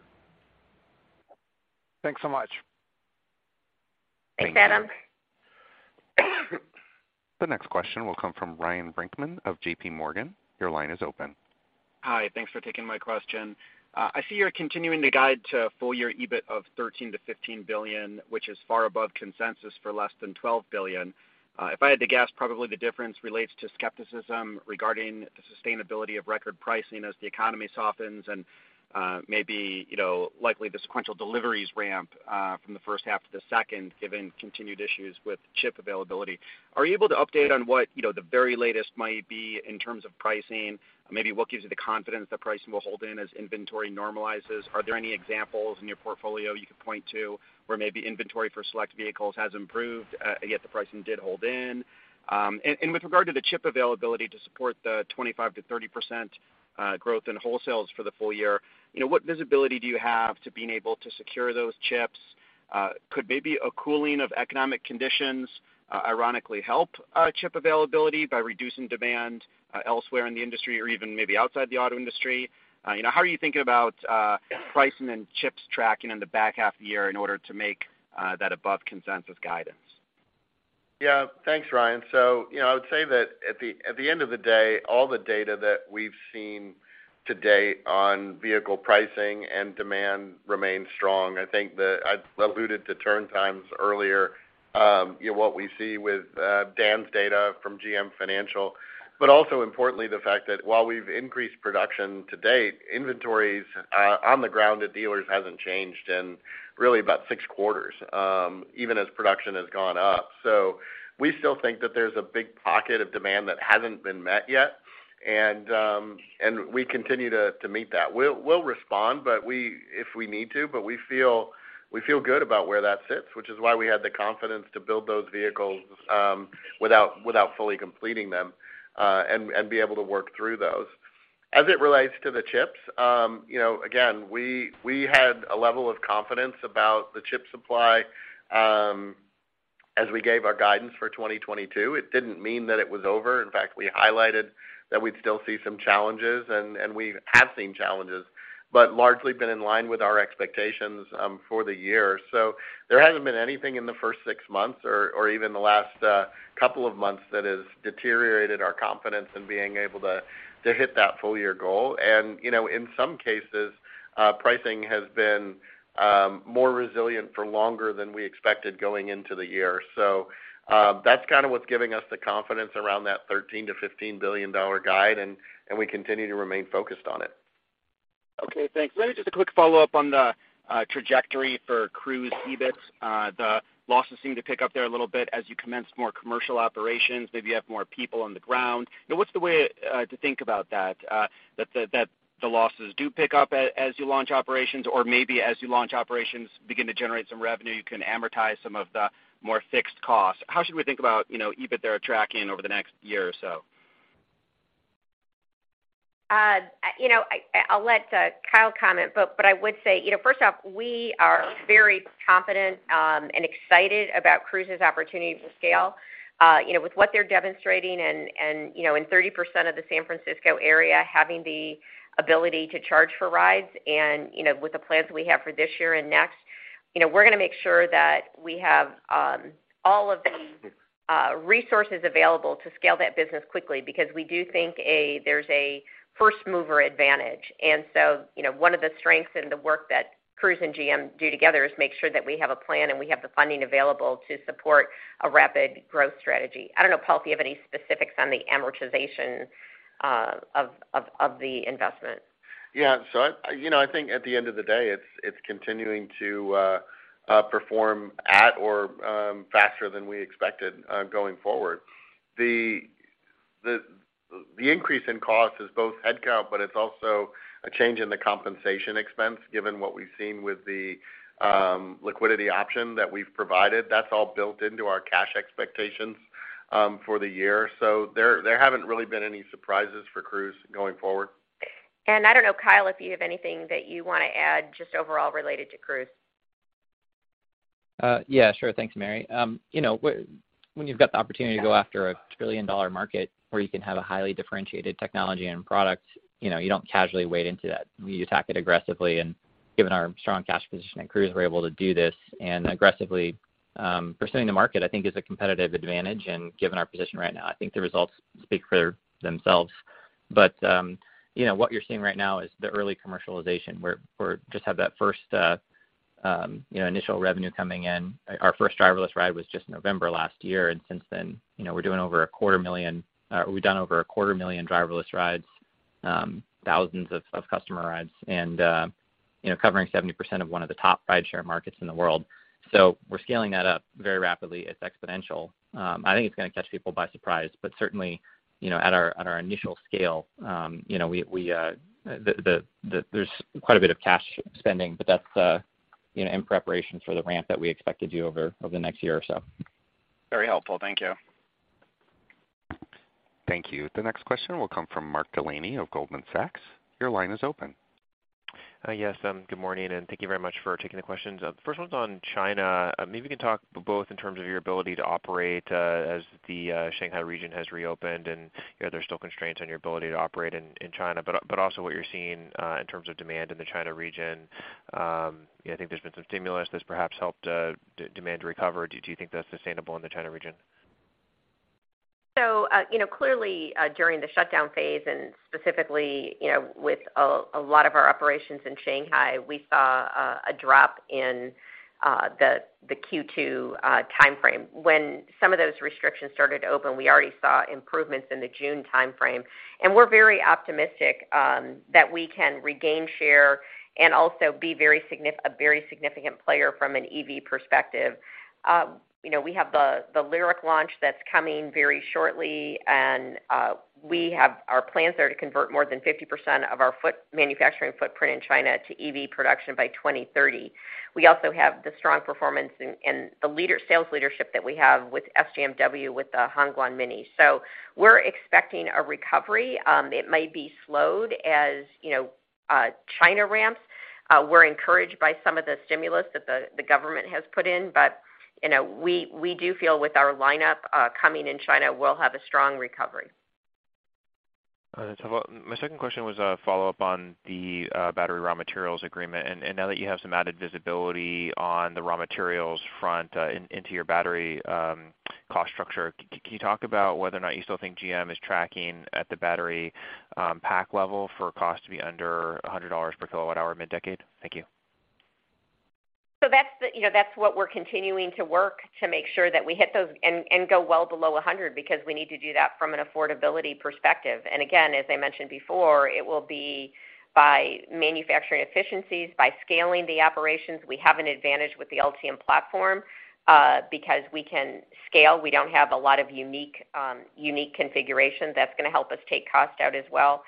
Thanks so much. Thanks, Adam. The next question will come from Ryan Brinkman of JPMorgan. Your line is open. Hi. Thanks for taking my question. I see you're continuing to guide to full-year EBIT of $13 billion-$15 billion, which is far above consensus for less than $12 billion. If I had to guess, probably the difference relates to skepticism regarding the sustainability of record pricing as the economy softens and maybe, you know, likely the sequential deliveries ramp from the first half to the second, given continued issues with chip availability. Are you able to update on what the very latest might be in terms of pricing? Maybe what gives you the confidence that pricing will hold in as inventory normalizes? Are there any examples in your portfolio you could point to where maybe inventory for select vehicles has improved yet the pricing did hold in? With regard to the chip availability to support the 25%-30% growth in wholesales for the full year, you know, what visibility do you have to being able to secure those chips? Could maybe a cooling of economic conditions ironically help chip availability by reducing demand elsewhere in the industry or even maybe outside the auto industry? You know, how are you thinking about pricing and chips tracking in the back half of the year in order to make that above consensus guidance? Yeah. Thanks, Ryan. You know, I would say that at the end of the day, all the data that we've seen to date on vehicle pricing and demand remains strong. I think I alluded to turn times earlier. You know, what we see with Dan's data from GM Financial. But also importantly, the fact that while we've increased production to date, inventories on the ground at dealers hasn't changed in really about six quarters, even as production has gone up. We still think that there's a big pocket of demand that hasn't been met yet. We continue to meet that. We'll respond, but if we need to, but we feel good about where that sits which is why we had the confidence to build those vehicles, without fully completing them and be able to work through those. As it relates to the chips, you know, again, we had a level of confidence about the chip supply, as we gave our guidance for 2022. It didn't mean that it was over. In fact, we highlighted that we'd still see some challenges, and we have seen challenges, but largely been in line with our expectations, for the year. There hasn't been anything in the first six months or even the last couple of months that has deteriorated our confidence in being able to hit that full year goal. You know, in some cases, pricing has been more resilient for longer than we expected going into the year. That's kind of what's giving us the confidence around that $13 billion-$15 billion guide, and we continue to remain focused on it. Okay, thanks. Let me just a quick follow-up on the trajectory for Cruise EBIT. The losses seem to pick up there a little bit as you commence more commercial operations, maybe you have more people on the ground. You know, what's the way to think about that the losses do pick up as you launch operations? Or maybe as you launch operations begin to generate some revenue, you can amortize some of the more fixed costs. How should we think about, you know, EBITDA tracking over the next year or so? You know, I’ll let Kyle comment, but I would say, you know, first off we are very confident and excited about Cruise’s opportunity to scale. You know, with what they’re demonstrating and, you know, in 30% of the San Francisco area having the ability to charge for rides and, you know, with the plans we have for this year and next, you know, we’re gonna make sure that we have all of the resources available to scale that business quickly because we do think there’s a first-mover advantage. You know, one of the strengths in the work that Cruise and GM do together is make sure that we have a plan, and we have the funding available to support a rapid growth strategy. I don't know, Paul, if you have any specifics on the amortization of the investment. Yeah, you know, I think at the end of the day it's continuing to perform at or faster than we expected going forward. The increase in cost is both headcount but it's also a change in the compensation expense given what we've seen with the liquidity option that we've provided. That's all built into our cash expectations for the year. There haven't really been any surprises for Cruise going forward. I don't know, Kyle, if you have anything that you wanna add just overall related to Cruise. Yeah, sure. Thanks, Mary. You know, when you've got the opportunity to go after a trillion-dollar market where you can have a highly differentiated technology and product, you know, you don't casually wade into that. You attack it aggressively, and given our strong cash position at Cruise, we're able to do this. Aggressively pursuing the market, I think is a competitive advantage and given our position right now, I think the results speak for themselves. You know, what you're seeing right now is the early commercialization. We're just have that first, you know, initial revenue coming in. Our first driverless ride was just November last year, and since then, you know, we're doing over a quarter million We've done over 250,000 driverless rides, thousands of customer rides and, you know, covering 70% of one of the top rideshare markets in the world. We're scaling that up very rapidly. It's exponential. I think it's gonna catch people by surprise. Certainly, you know, at our initial scale, there's quite a bit of cash spending, but that's, you know, in preparation for the ramp that we expect to do over the next year or so. Very helpful. Thank you. Thank you. The next question will come from Mark Delaney of Goldman Sachs. Your line is open. Yes, good morning and thank you very much for taking the questions. The first one's on China. Maybe you can talk both in terms of your ability to operate, as the Shanghai region has reopened, and, you know, there's still constraints on your ability to operate in China, but also what you're seeing in terms of demand in the China region. I think there's been some stimulus that's perhaps helped demand recover. Do you think that's sustainable in the China region? You know, clearly during the shutdown phase, and specifically, you know, with a lot of our operations in Shanghai, we saw a drop in the Q2 timeframe. When some of those restrictions started to open, we already saw improvements in the June timeframe. We're very optimistic that we can regain share and also be a very significant player from an EV perspective. We have the LYRIQ launch that's coming very shortly, and we have our plans there to convert more than 50% of our manufacturing footprint in China to EV production by 2030. We also have the strong performance and the sales leadership that we have with SGMW with the Hongguang Mini. We're expecting a recovery. It may be slowed, as you know, China ramps. We're encouraged by some of the stimulus that the government has put in, but you know, we do feel with our lineup coming in China, we'll have a strong recovery. That's helpful. My second question was a follow-up on the battery raw materials agreement. Now that you have some added visibility on the raw materials front, into your battery cost structure, can you talk about whether or not you still think GM is tracking at the battery pack level for cost to be under $100 per kilowatt hour mid-decade? Thank you. You know, that's what we're continuing to work to make sure that we hit those and go well below 100, because we need to do that from an affordability perspective. Again, as I mentioned before, it will be by manufacturing efficiencies, by scaling the operations. We have an advantage with the Ultium platform because we can scale. We don't have a lot of unique configurations. That's gonna help us take cost out as well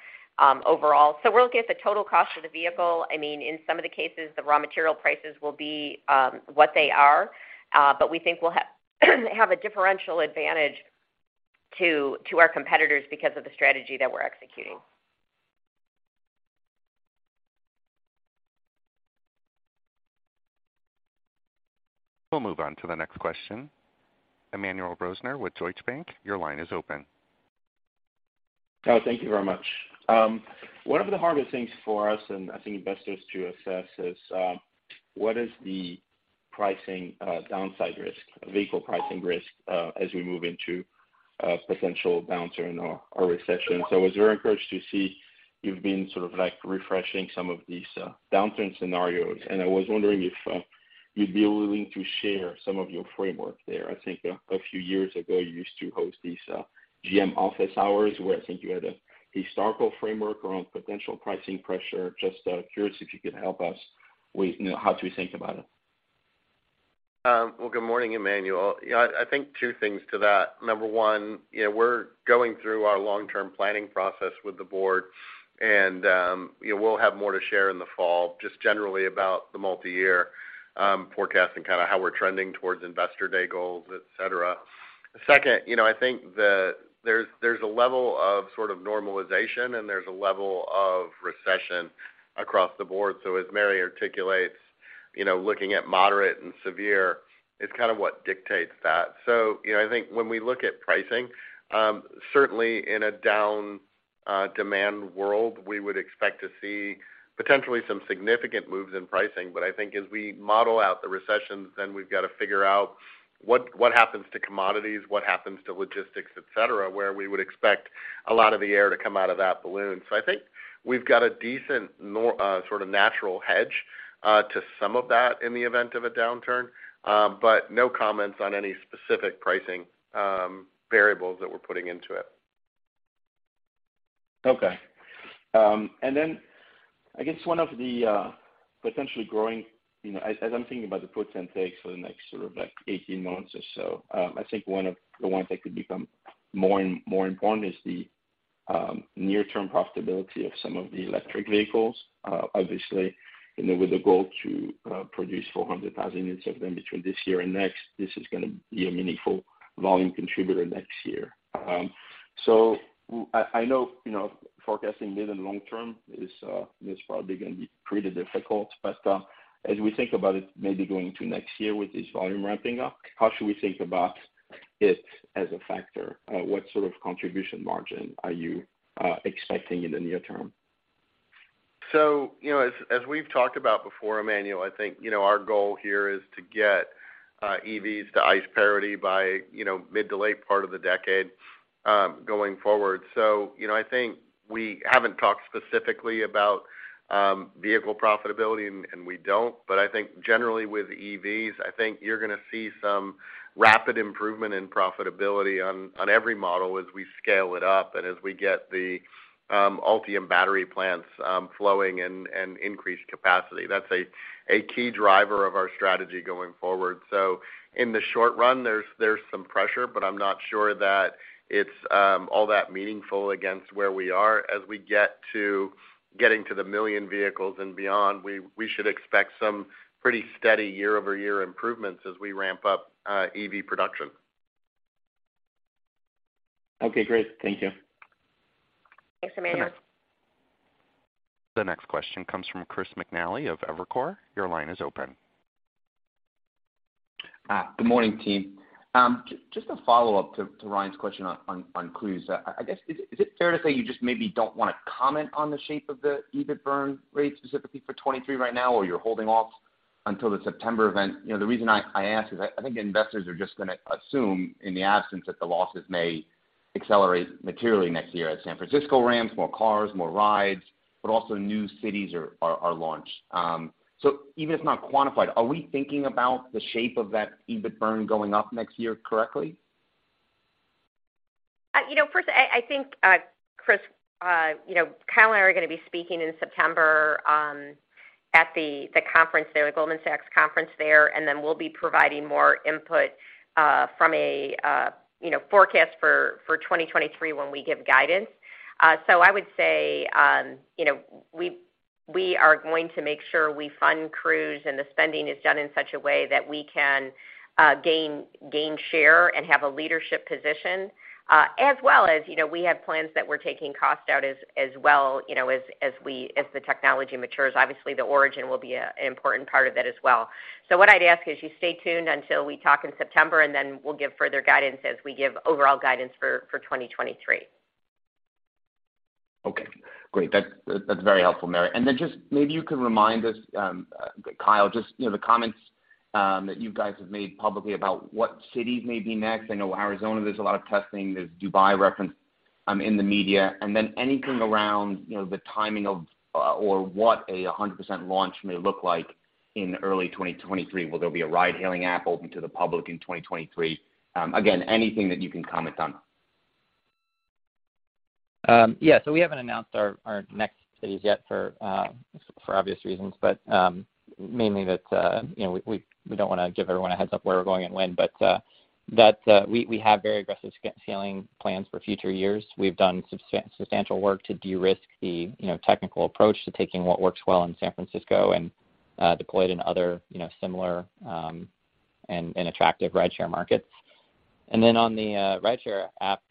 overall. We'll look at the total cost of the vehicle. I mean, in some of the cases, the raw material prices will be what they are, but we think we'll have a differential advantage to our competitors because of the strategy that we're executing. We'll move on to the next question. Emmanuel Rosner with Deutsche Bank, your line is open. Thank you very much. One of the hardest things for us, and I think investors to assess is, what is the pricing, downside risk, vehicle pricing risk, as we move into a potential downturn or recession. I was very encouraged to see you've been sort of like refreshing some of these, downturn scenarios, and I was wondering if, you'd be willing to share some of your framework there. I think a few years ago you used to host these, GM office hours where I think you had a historical framework around potential pricing pressure. Just curious if you could help us with, you know, how to think about it. Good morning, Emmanuel. Yeah, I think two things to that. Number one, you know, we're going through our long-term planning process with the board, and, you know, we'll have more to share in the fall just generally about the multi-year, forecast and kinda how we're trending towards investor day goals, et cetera. Second, you know, I think that there's a level of sort of normalization, and there's a level of recession across the board. As Mary articulates, you know, looking at moderate and severe is kind of what dictates that. You know, I think when we look at pricing, certainly in a down demand world, we would expect to see potentially some significant moves in pricing. I think as we model out the recessions, then we've got to figure out what happens to commodities, what happens to logistics, et cetera, where we would expect a lot of the air to come out of that balloon. I think we've got a decent sort of natural hedge to some of that in the event of a downturn, but no comments on any specific pricing variables that we're putting into it. Okay. I guess one of the potentially growing, you know, as I'm thinking about the puts and takes for the next sort of like 18 months or so, I think one of the ones that could become more important is the near-term profitability of some of the electric vehicles. Obviously, you know, with the goal to produce 400,000 units of them between this year and next, this is gonna be a meaningful volume contributor next year. I know, you know, forecasting mid and long term is probably gonna be pretty difficult but as we think about it maybe going to next year with this volume ramping up, how should we think about it as a factor? What sort of contribution margin are you expecting in the near term? You know, as we've talked about before Emmanuel, I think, you know, our goal here is to get EVs to ICE parity by, you know, mid to late part of the decade, going forward. You know, I think we haven't talked specifically about vehicle profitability and we don't. I think generally with EVs, I think you're gonna see some rapid improvement in profitability on every model as we scale it up and as we get the Ultium battery plants flowing and increased capacity. That's a key driver of our strategy going forward. In the short run, there's some pressure, but I'm not sure that it's all that meaningful against where we are. As we get to - getting to the million vehicles and beyond, we should expect some pretty steady year-over-year improvements as we ramp up EV production. Okay, great. Thank you. Thanks, Emmanuel. Sure. The next question comes from Chris McNally of Evercore. Your line is open. Good morning, team. Just a follow-up to Ryan's question on Cruise. I guess is it fair to say you just maybe don't wanna comment on the shape of the EBIT burn rate specifically for 2023 right now, or you're holding off until the September event? You know, the reason I ask is I think investors are just gonna assume in the absence that the losses may accelerate materially next year as San Francisco ramps more cars, more rides, but also new cities are launched. So even if not quantified, are we thinking about the shape of that EBIT burn going up next year correctly? You know, first I think, Chris, you know, Kyle and I are gonna be speaking in September at the conference there, the Goldman Sachs conference there, and then we'll be providing more input from a forecast for 2023 when we give guidance. I would say, you know, we are going to make sure we fund Cruise and the spending is done in such a way that we can gain share and have a leadership position, as well as, you know, we have plans that we're taking cost out as well, you know, as the technology matures. Obviously, the Origin will be an important part of it as well. What I'd ask is you stay tuned until we talk in September, and then we'll give further guidance as we give overall guidance for 2023. Okay, great. That's very helpful, Mary. Just maybe you can remind us, Kyle, just, you know, the comments that you guys have made publicly about what cities may be next. I know Arizona, there's a lot of testing. There's Dubai referenced in the media. Anything around, you know, the timing of or what a 100% launch may look like in early 2023. Will there be a ride-hailing app open to the public in 2023? Again, anything that you can comment on. Yeah. We haven't announced our next cities yet for obvious reasons, but mainly that you know, we don't wanna give everyone a heads-up where we're going and when. We have very aggressive scaling plans for future years. We've done substantial work to de-risk the you know, technical approach to taking what works well in San Francisco and deploy it in other you know, similar and attractive rideshare markets. On the rideshare app,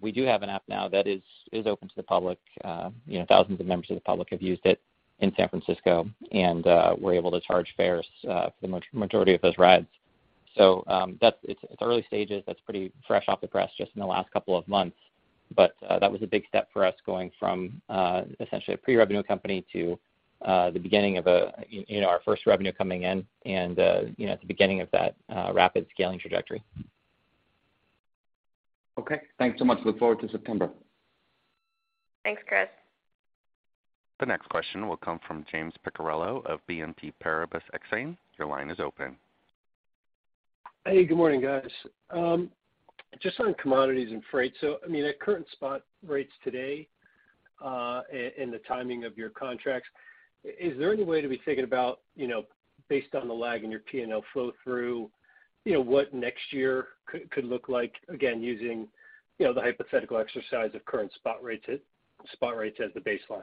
we do have an app now that is open to the public. You know, thousands of members of the public have used it in San Francisco and were able to charge fares for the majority of those rides. That's it. It's early stages. That's pretty fresh off the press just in the last couple of months. That was a big step for us going from essentially a pre-revenue company to the beginning of, you know, our first revenue coming in and, you know, at the beginning of that rapid scaling trajectory. Okay. Thanks so much. Look forward to September. Thanks, Chris. The next question will come from James Picariello of BNP Paribas Exane. Your line is open. Hey, good morning, guys. Just on commodities and freight. I mean, at current spot rates today, and the timing of your contracts, is there any way to be thinking about, you know, based on the lag in your P&L flow through, you know, what next year could look like, again, using, you know, the hypothetical exercise of current spot rates as the baseline?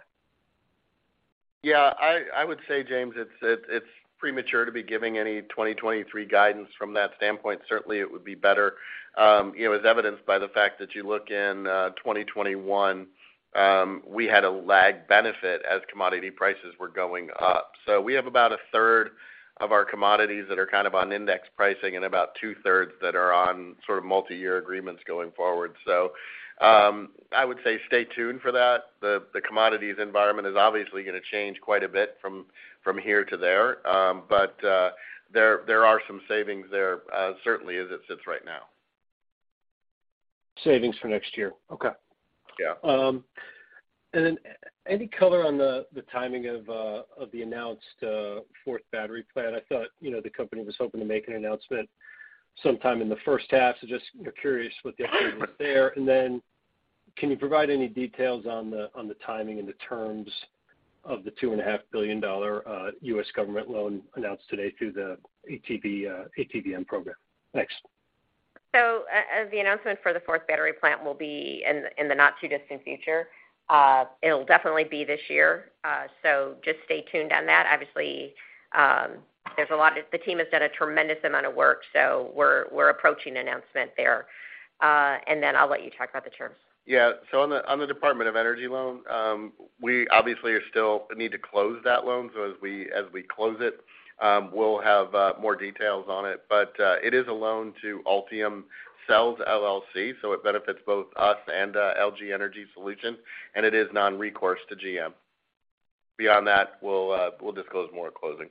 Yeah. I would say James, it's premature to be giving any 2023 guidance from that standpoint. Certainly, it would be better. You know, as evidenced by the fact that you look in 2021, we had a lag benefit as commodity prices were going up. We have about a third of our commodities that are kind of on index pricing and about two thirds that are on sort of multiyear agreements going forward. I would say stay tuned for that. The commodities environment is obviously gonna change quite a bit from here to there. There are some savings there, certainly as it sits right now. Savings for next year. Okay. Yeah. Any color on the timing of the announced fourth battery plant? I thought, you know, the company was hoping to make an announcement sometime in the first half, so just, you know, curious what the update was there. Can you provide any details on the timing and the terms of the $2.5 billion U.S. government loan announced today through the ATVM program? Thanks. The announcement for the fourth battery plant will be in the not too distant future. It'll definitely be this year, just stay tuned on that. Obviously, the team has done a tremendous amount of work, so we're approaching an announcement there. I'll let you talk about the terms. On the Department of Energy loan, we obviously still need to close that loan. As we close it, we'll have more details on it. It is a loan to Ultium Cells LLC, so it benefits both us and LG Energy Solution, and it is non-recourse to GM. Beyond that, we'll disclose more at closing.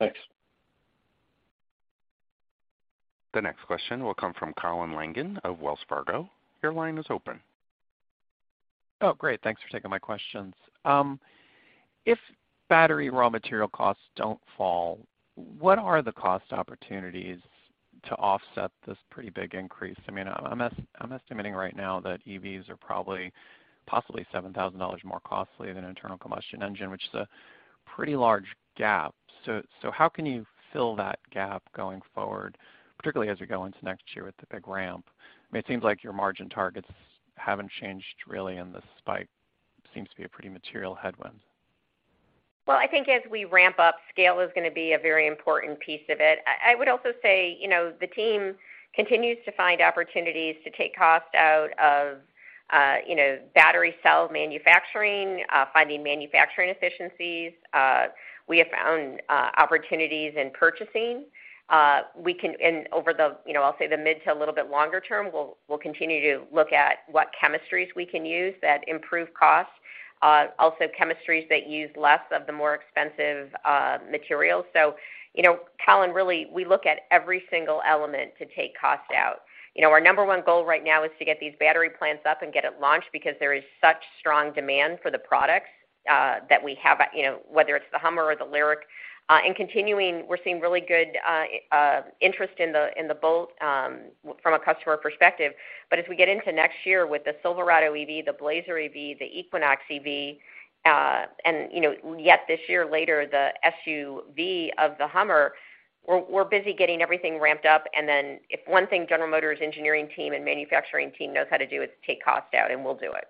Thanks. The next question will come from Colin Langan of Wells Fargo. Your line is open. Oh, great. Thanks for taking my questions. If battery raw material costs don't fall, what are the cost opportunities to offset this pretty big increase? I mean, I'm estimating right now that EVs are probably possibly $7,000 more costly than an internal combustion engine, which is a pretty large gap. So how can you fill that gap going forward, particularly as we go into next year with the big ramp? I mean, it seems like your margin targets haven't changed really, and the spike seems to be a pretty material headwind. Well, I think as we ramp up, scale is gonna be a very important piece of it. I would also say, you know, the team continues to find opportunities to take cost out of, you know, battery cell manufacturing, finding manufacturing efficiencies. We have found opportunities in purchasing. Over the, you know, I'll say the mid to a little bit longer term, we'll continue to look at what chemistries we can use that improve costs, also chemistries that use less of the more expensive materials. So you know, Colin, really, we look at every single element to take cost out. You know, our number one goal right now is to get these battery plants up and get it launched because there is such strong demand for the products that we have, you know, whether it's the Hummer or the LYRIQ. Continuing, we're seeing really good interest in the Bolt from a customer perspective. As we get into next year with the Silverado EV, the Blazer EV, the Equinox EV, and you know, yet this year later, the SUV of the Hummer, we're busy getting everything ramped up. Then if one thing General Motors engineering team and manufacturing team knows how to do is take cost out, and we'll do it.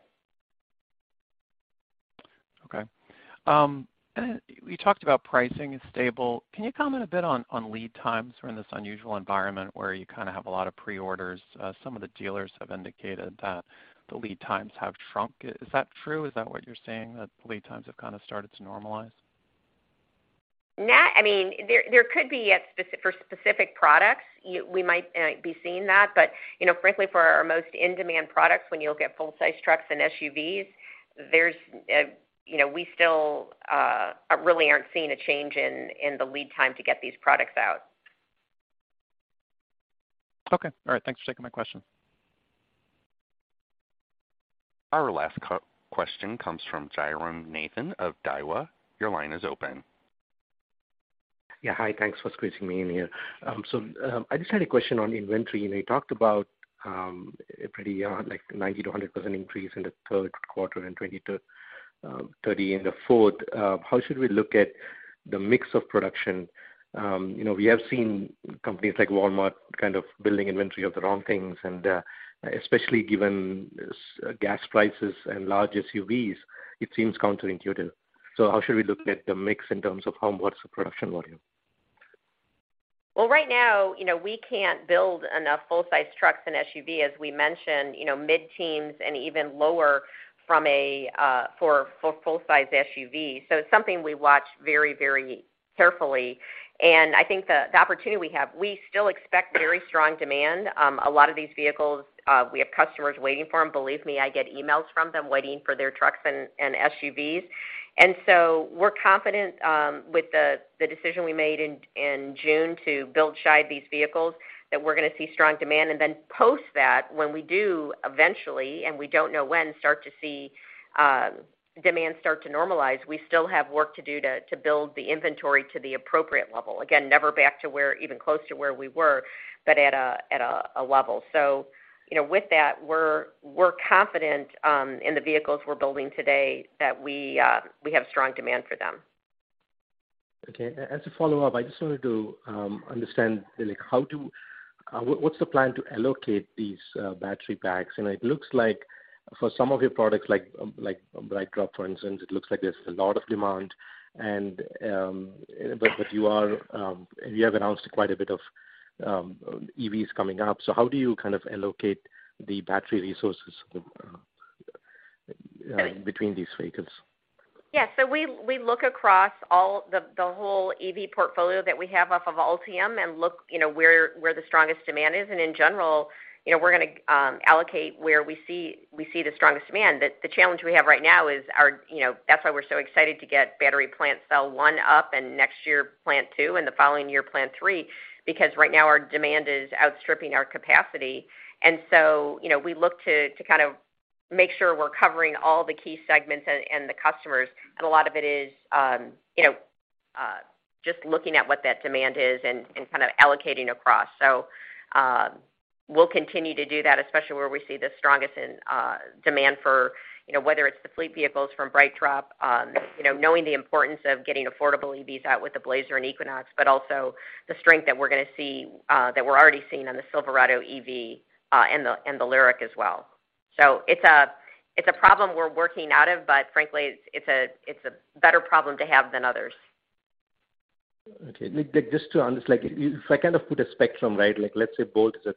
Okay. You talked about pricing is stable. Can you comment a bit on lead times? We're in this unusual environment where you kind of have a lot of pre-orders. Some of the dealers have indicated that the lead times have shrunk. Is that true? Is that what you're saying, that the lead times have kind of started to normalize? I mean, there could be for specific products. We might be seeing that. You know, frankly, for our most in-demand products, when you look at full-size trucks and SUVs, there's you know, we still really aren't seeing a change in the lead time to get these products out. Okay. All right. Thanks for taking my question. Our last question comes from Jairam Nathan of Daiwa. Your line is open. Yeah. Hi. Thanks for squeezing me in here. I just had a question on inventory. You know, you talked about a pretty like 90%-100% increase in the third quarter and 20%-30% in the fourth. How should we look at the mix of production? You know, we have seen companies like Walmart kind of building inventory of the wrong things. Especially given gas prices and large SUVs, it seems counterintuitive. How should we look at the mix in terms of home versus production volume? Well right now, you know, we can't build enough full-size trucks and SUVs, as we mentioned, you know, mid-teens and even lower for full-size SUVs. It's something we watch very, very carefully. I think the opportunity we have, we still expect very strong demand. A lot of these vehicles, we have customers waiting for them. Believe me, I get emails from them waiting for their trucks and SUVs. We're confident with the decision we made in June to build these vehicles that we're gonna see strong demand. After that when we do eventually, and we don't know when, start to see demand start to normalize, we still have work to do to build the inventory to the appropriate level. Again, never back to where even close to where we were, but at a level. You know, with that we're confident in the vehicles we're building today that we have strong demand for them. Okay. As a follow-up, I just wanted to understand what's the plan to allocate these battery packs? It looks like for some of your products like BrightDrop, for instance, it looks like there's a lot of demand, but you have announced quite a bit of EVs coming up. How do you kind of allocate the battery resources between these vehicles? Yeah. We look across all the whole EV portfolio that we have off of Ultium and look, you know, where the strongest demand is. In general, you know, we're gonna allocate where we see the strongest demand. The challenge we have right now is our, you know, that's why we're so excited to get battery plant cell one up and next year plant two and the following year plant three, because right now our demand is outstripping our capacity. We look to kind of make sure we're covering all the key segments and the customers. A lot of it is, you know, just looking at what that demand is and kind of allocating across. We'll continue to do that, especially where we see the strongest demand for, you know, whether it's the fleet vehicles from BrightDrop, you know, knowing the importance of getting affordable EVs out with the Blazer and Equinox, but also the strength that we're gonna see that we're already seeing on the Silverado EV and the LYRIQ as well. It's a problem we're working out of, but frankly, it's a better problem to have than others. Okay. Just to understand, like if I kind of put a spectrum, right, like let's say Bolt is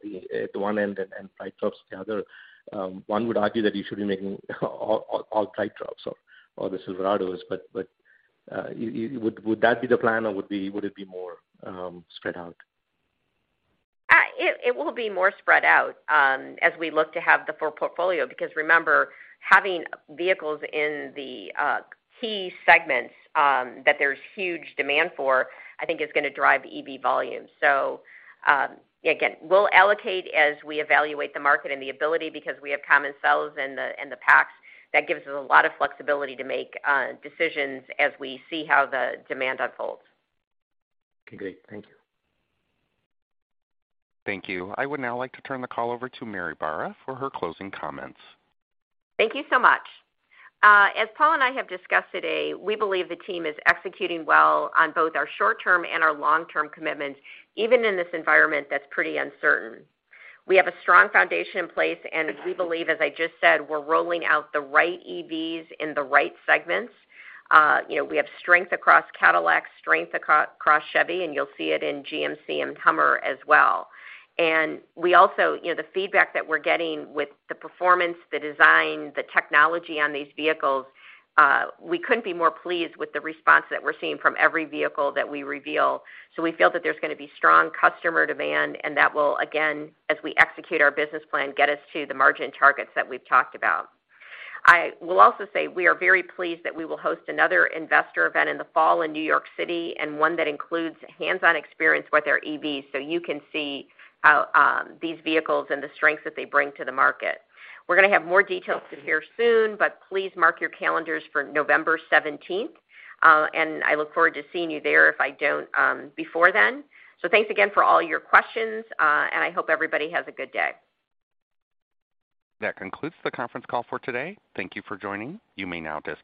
at one end and BrightDrop's the other, one would argue that you should be making all BrightDrops or the Silverados, but would that be the plan or would it be more spread out? It will be more spread out, as we look to have the full portfolio. Because remember, having vehicles in the key segments that there's huge demand for, I think is gonna drive EV volumes. Again, we'll allocate as we evaluate the market and the ability because we have common cells and the packs. That gives us a lot of flexibility to make decisions as we see how the demand unfolds. Okay, great. Thank you. Thank you. I would now like to turn the call over to Mary Barra for her closing comments. Thank you so much. As Paul and I have discussed today, we believe the team is executing well on both our short-term and our long-term commitments, even in this environment that's pretty uncertain. We have a strong foundation in place, and we believe, as I just said, we're rolling out the right EVs in the right segments. You know, we have strength across Cadillac, strength across Chevy, and you'll see it in GMC and Hummer as well. We also, you know, the feedback that we're getting with the performance, the design, the technology on these vehicles, we couldn't be more pleased with the response that we're seeing from every vehicle that we reveal. We feel that there's gonna be strong customer demand and that will again, as we execute our business plan, get us to the margin targets that we've talked about. I will also say we are very pleased that we will host another investor event in the fall in New York City and one that includes hands-on experience with our EVs so you can see how these vehicles and the strengths that they bring to the market. We're gonna have more details to share soon, but please mark your calendars for November 17th. I look forward to seeing you there if I don't before then. Thanks again for all your questions, and I hope everybody has a good day. That concludes the conference call for today. Thank you for joining. You may now disconnect.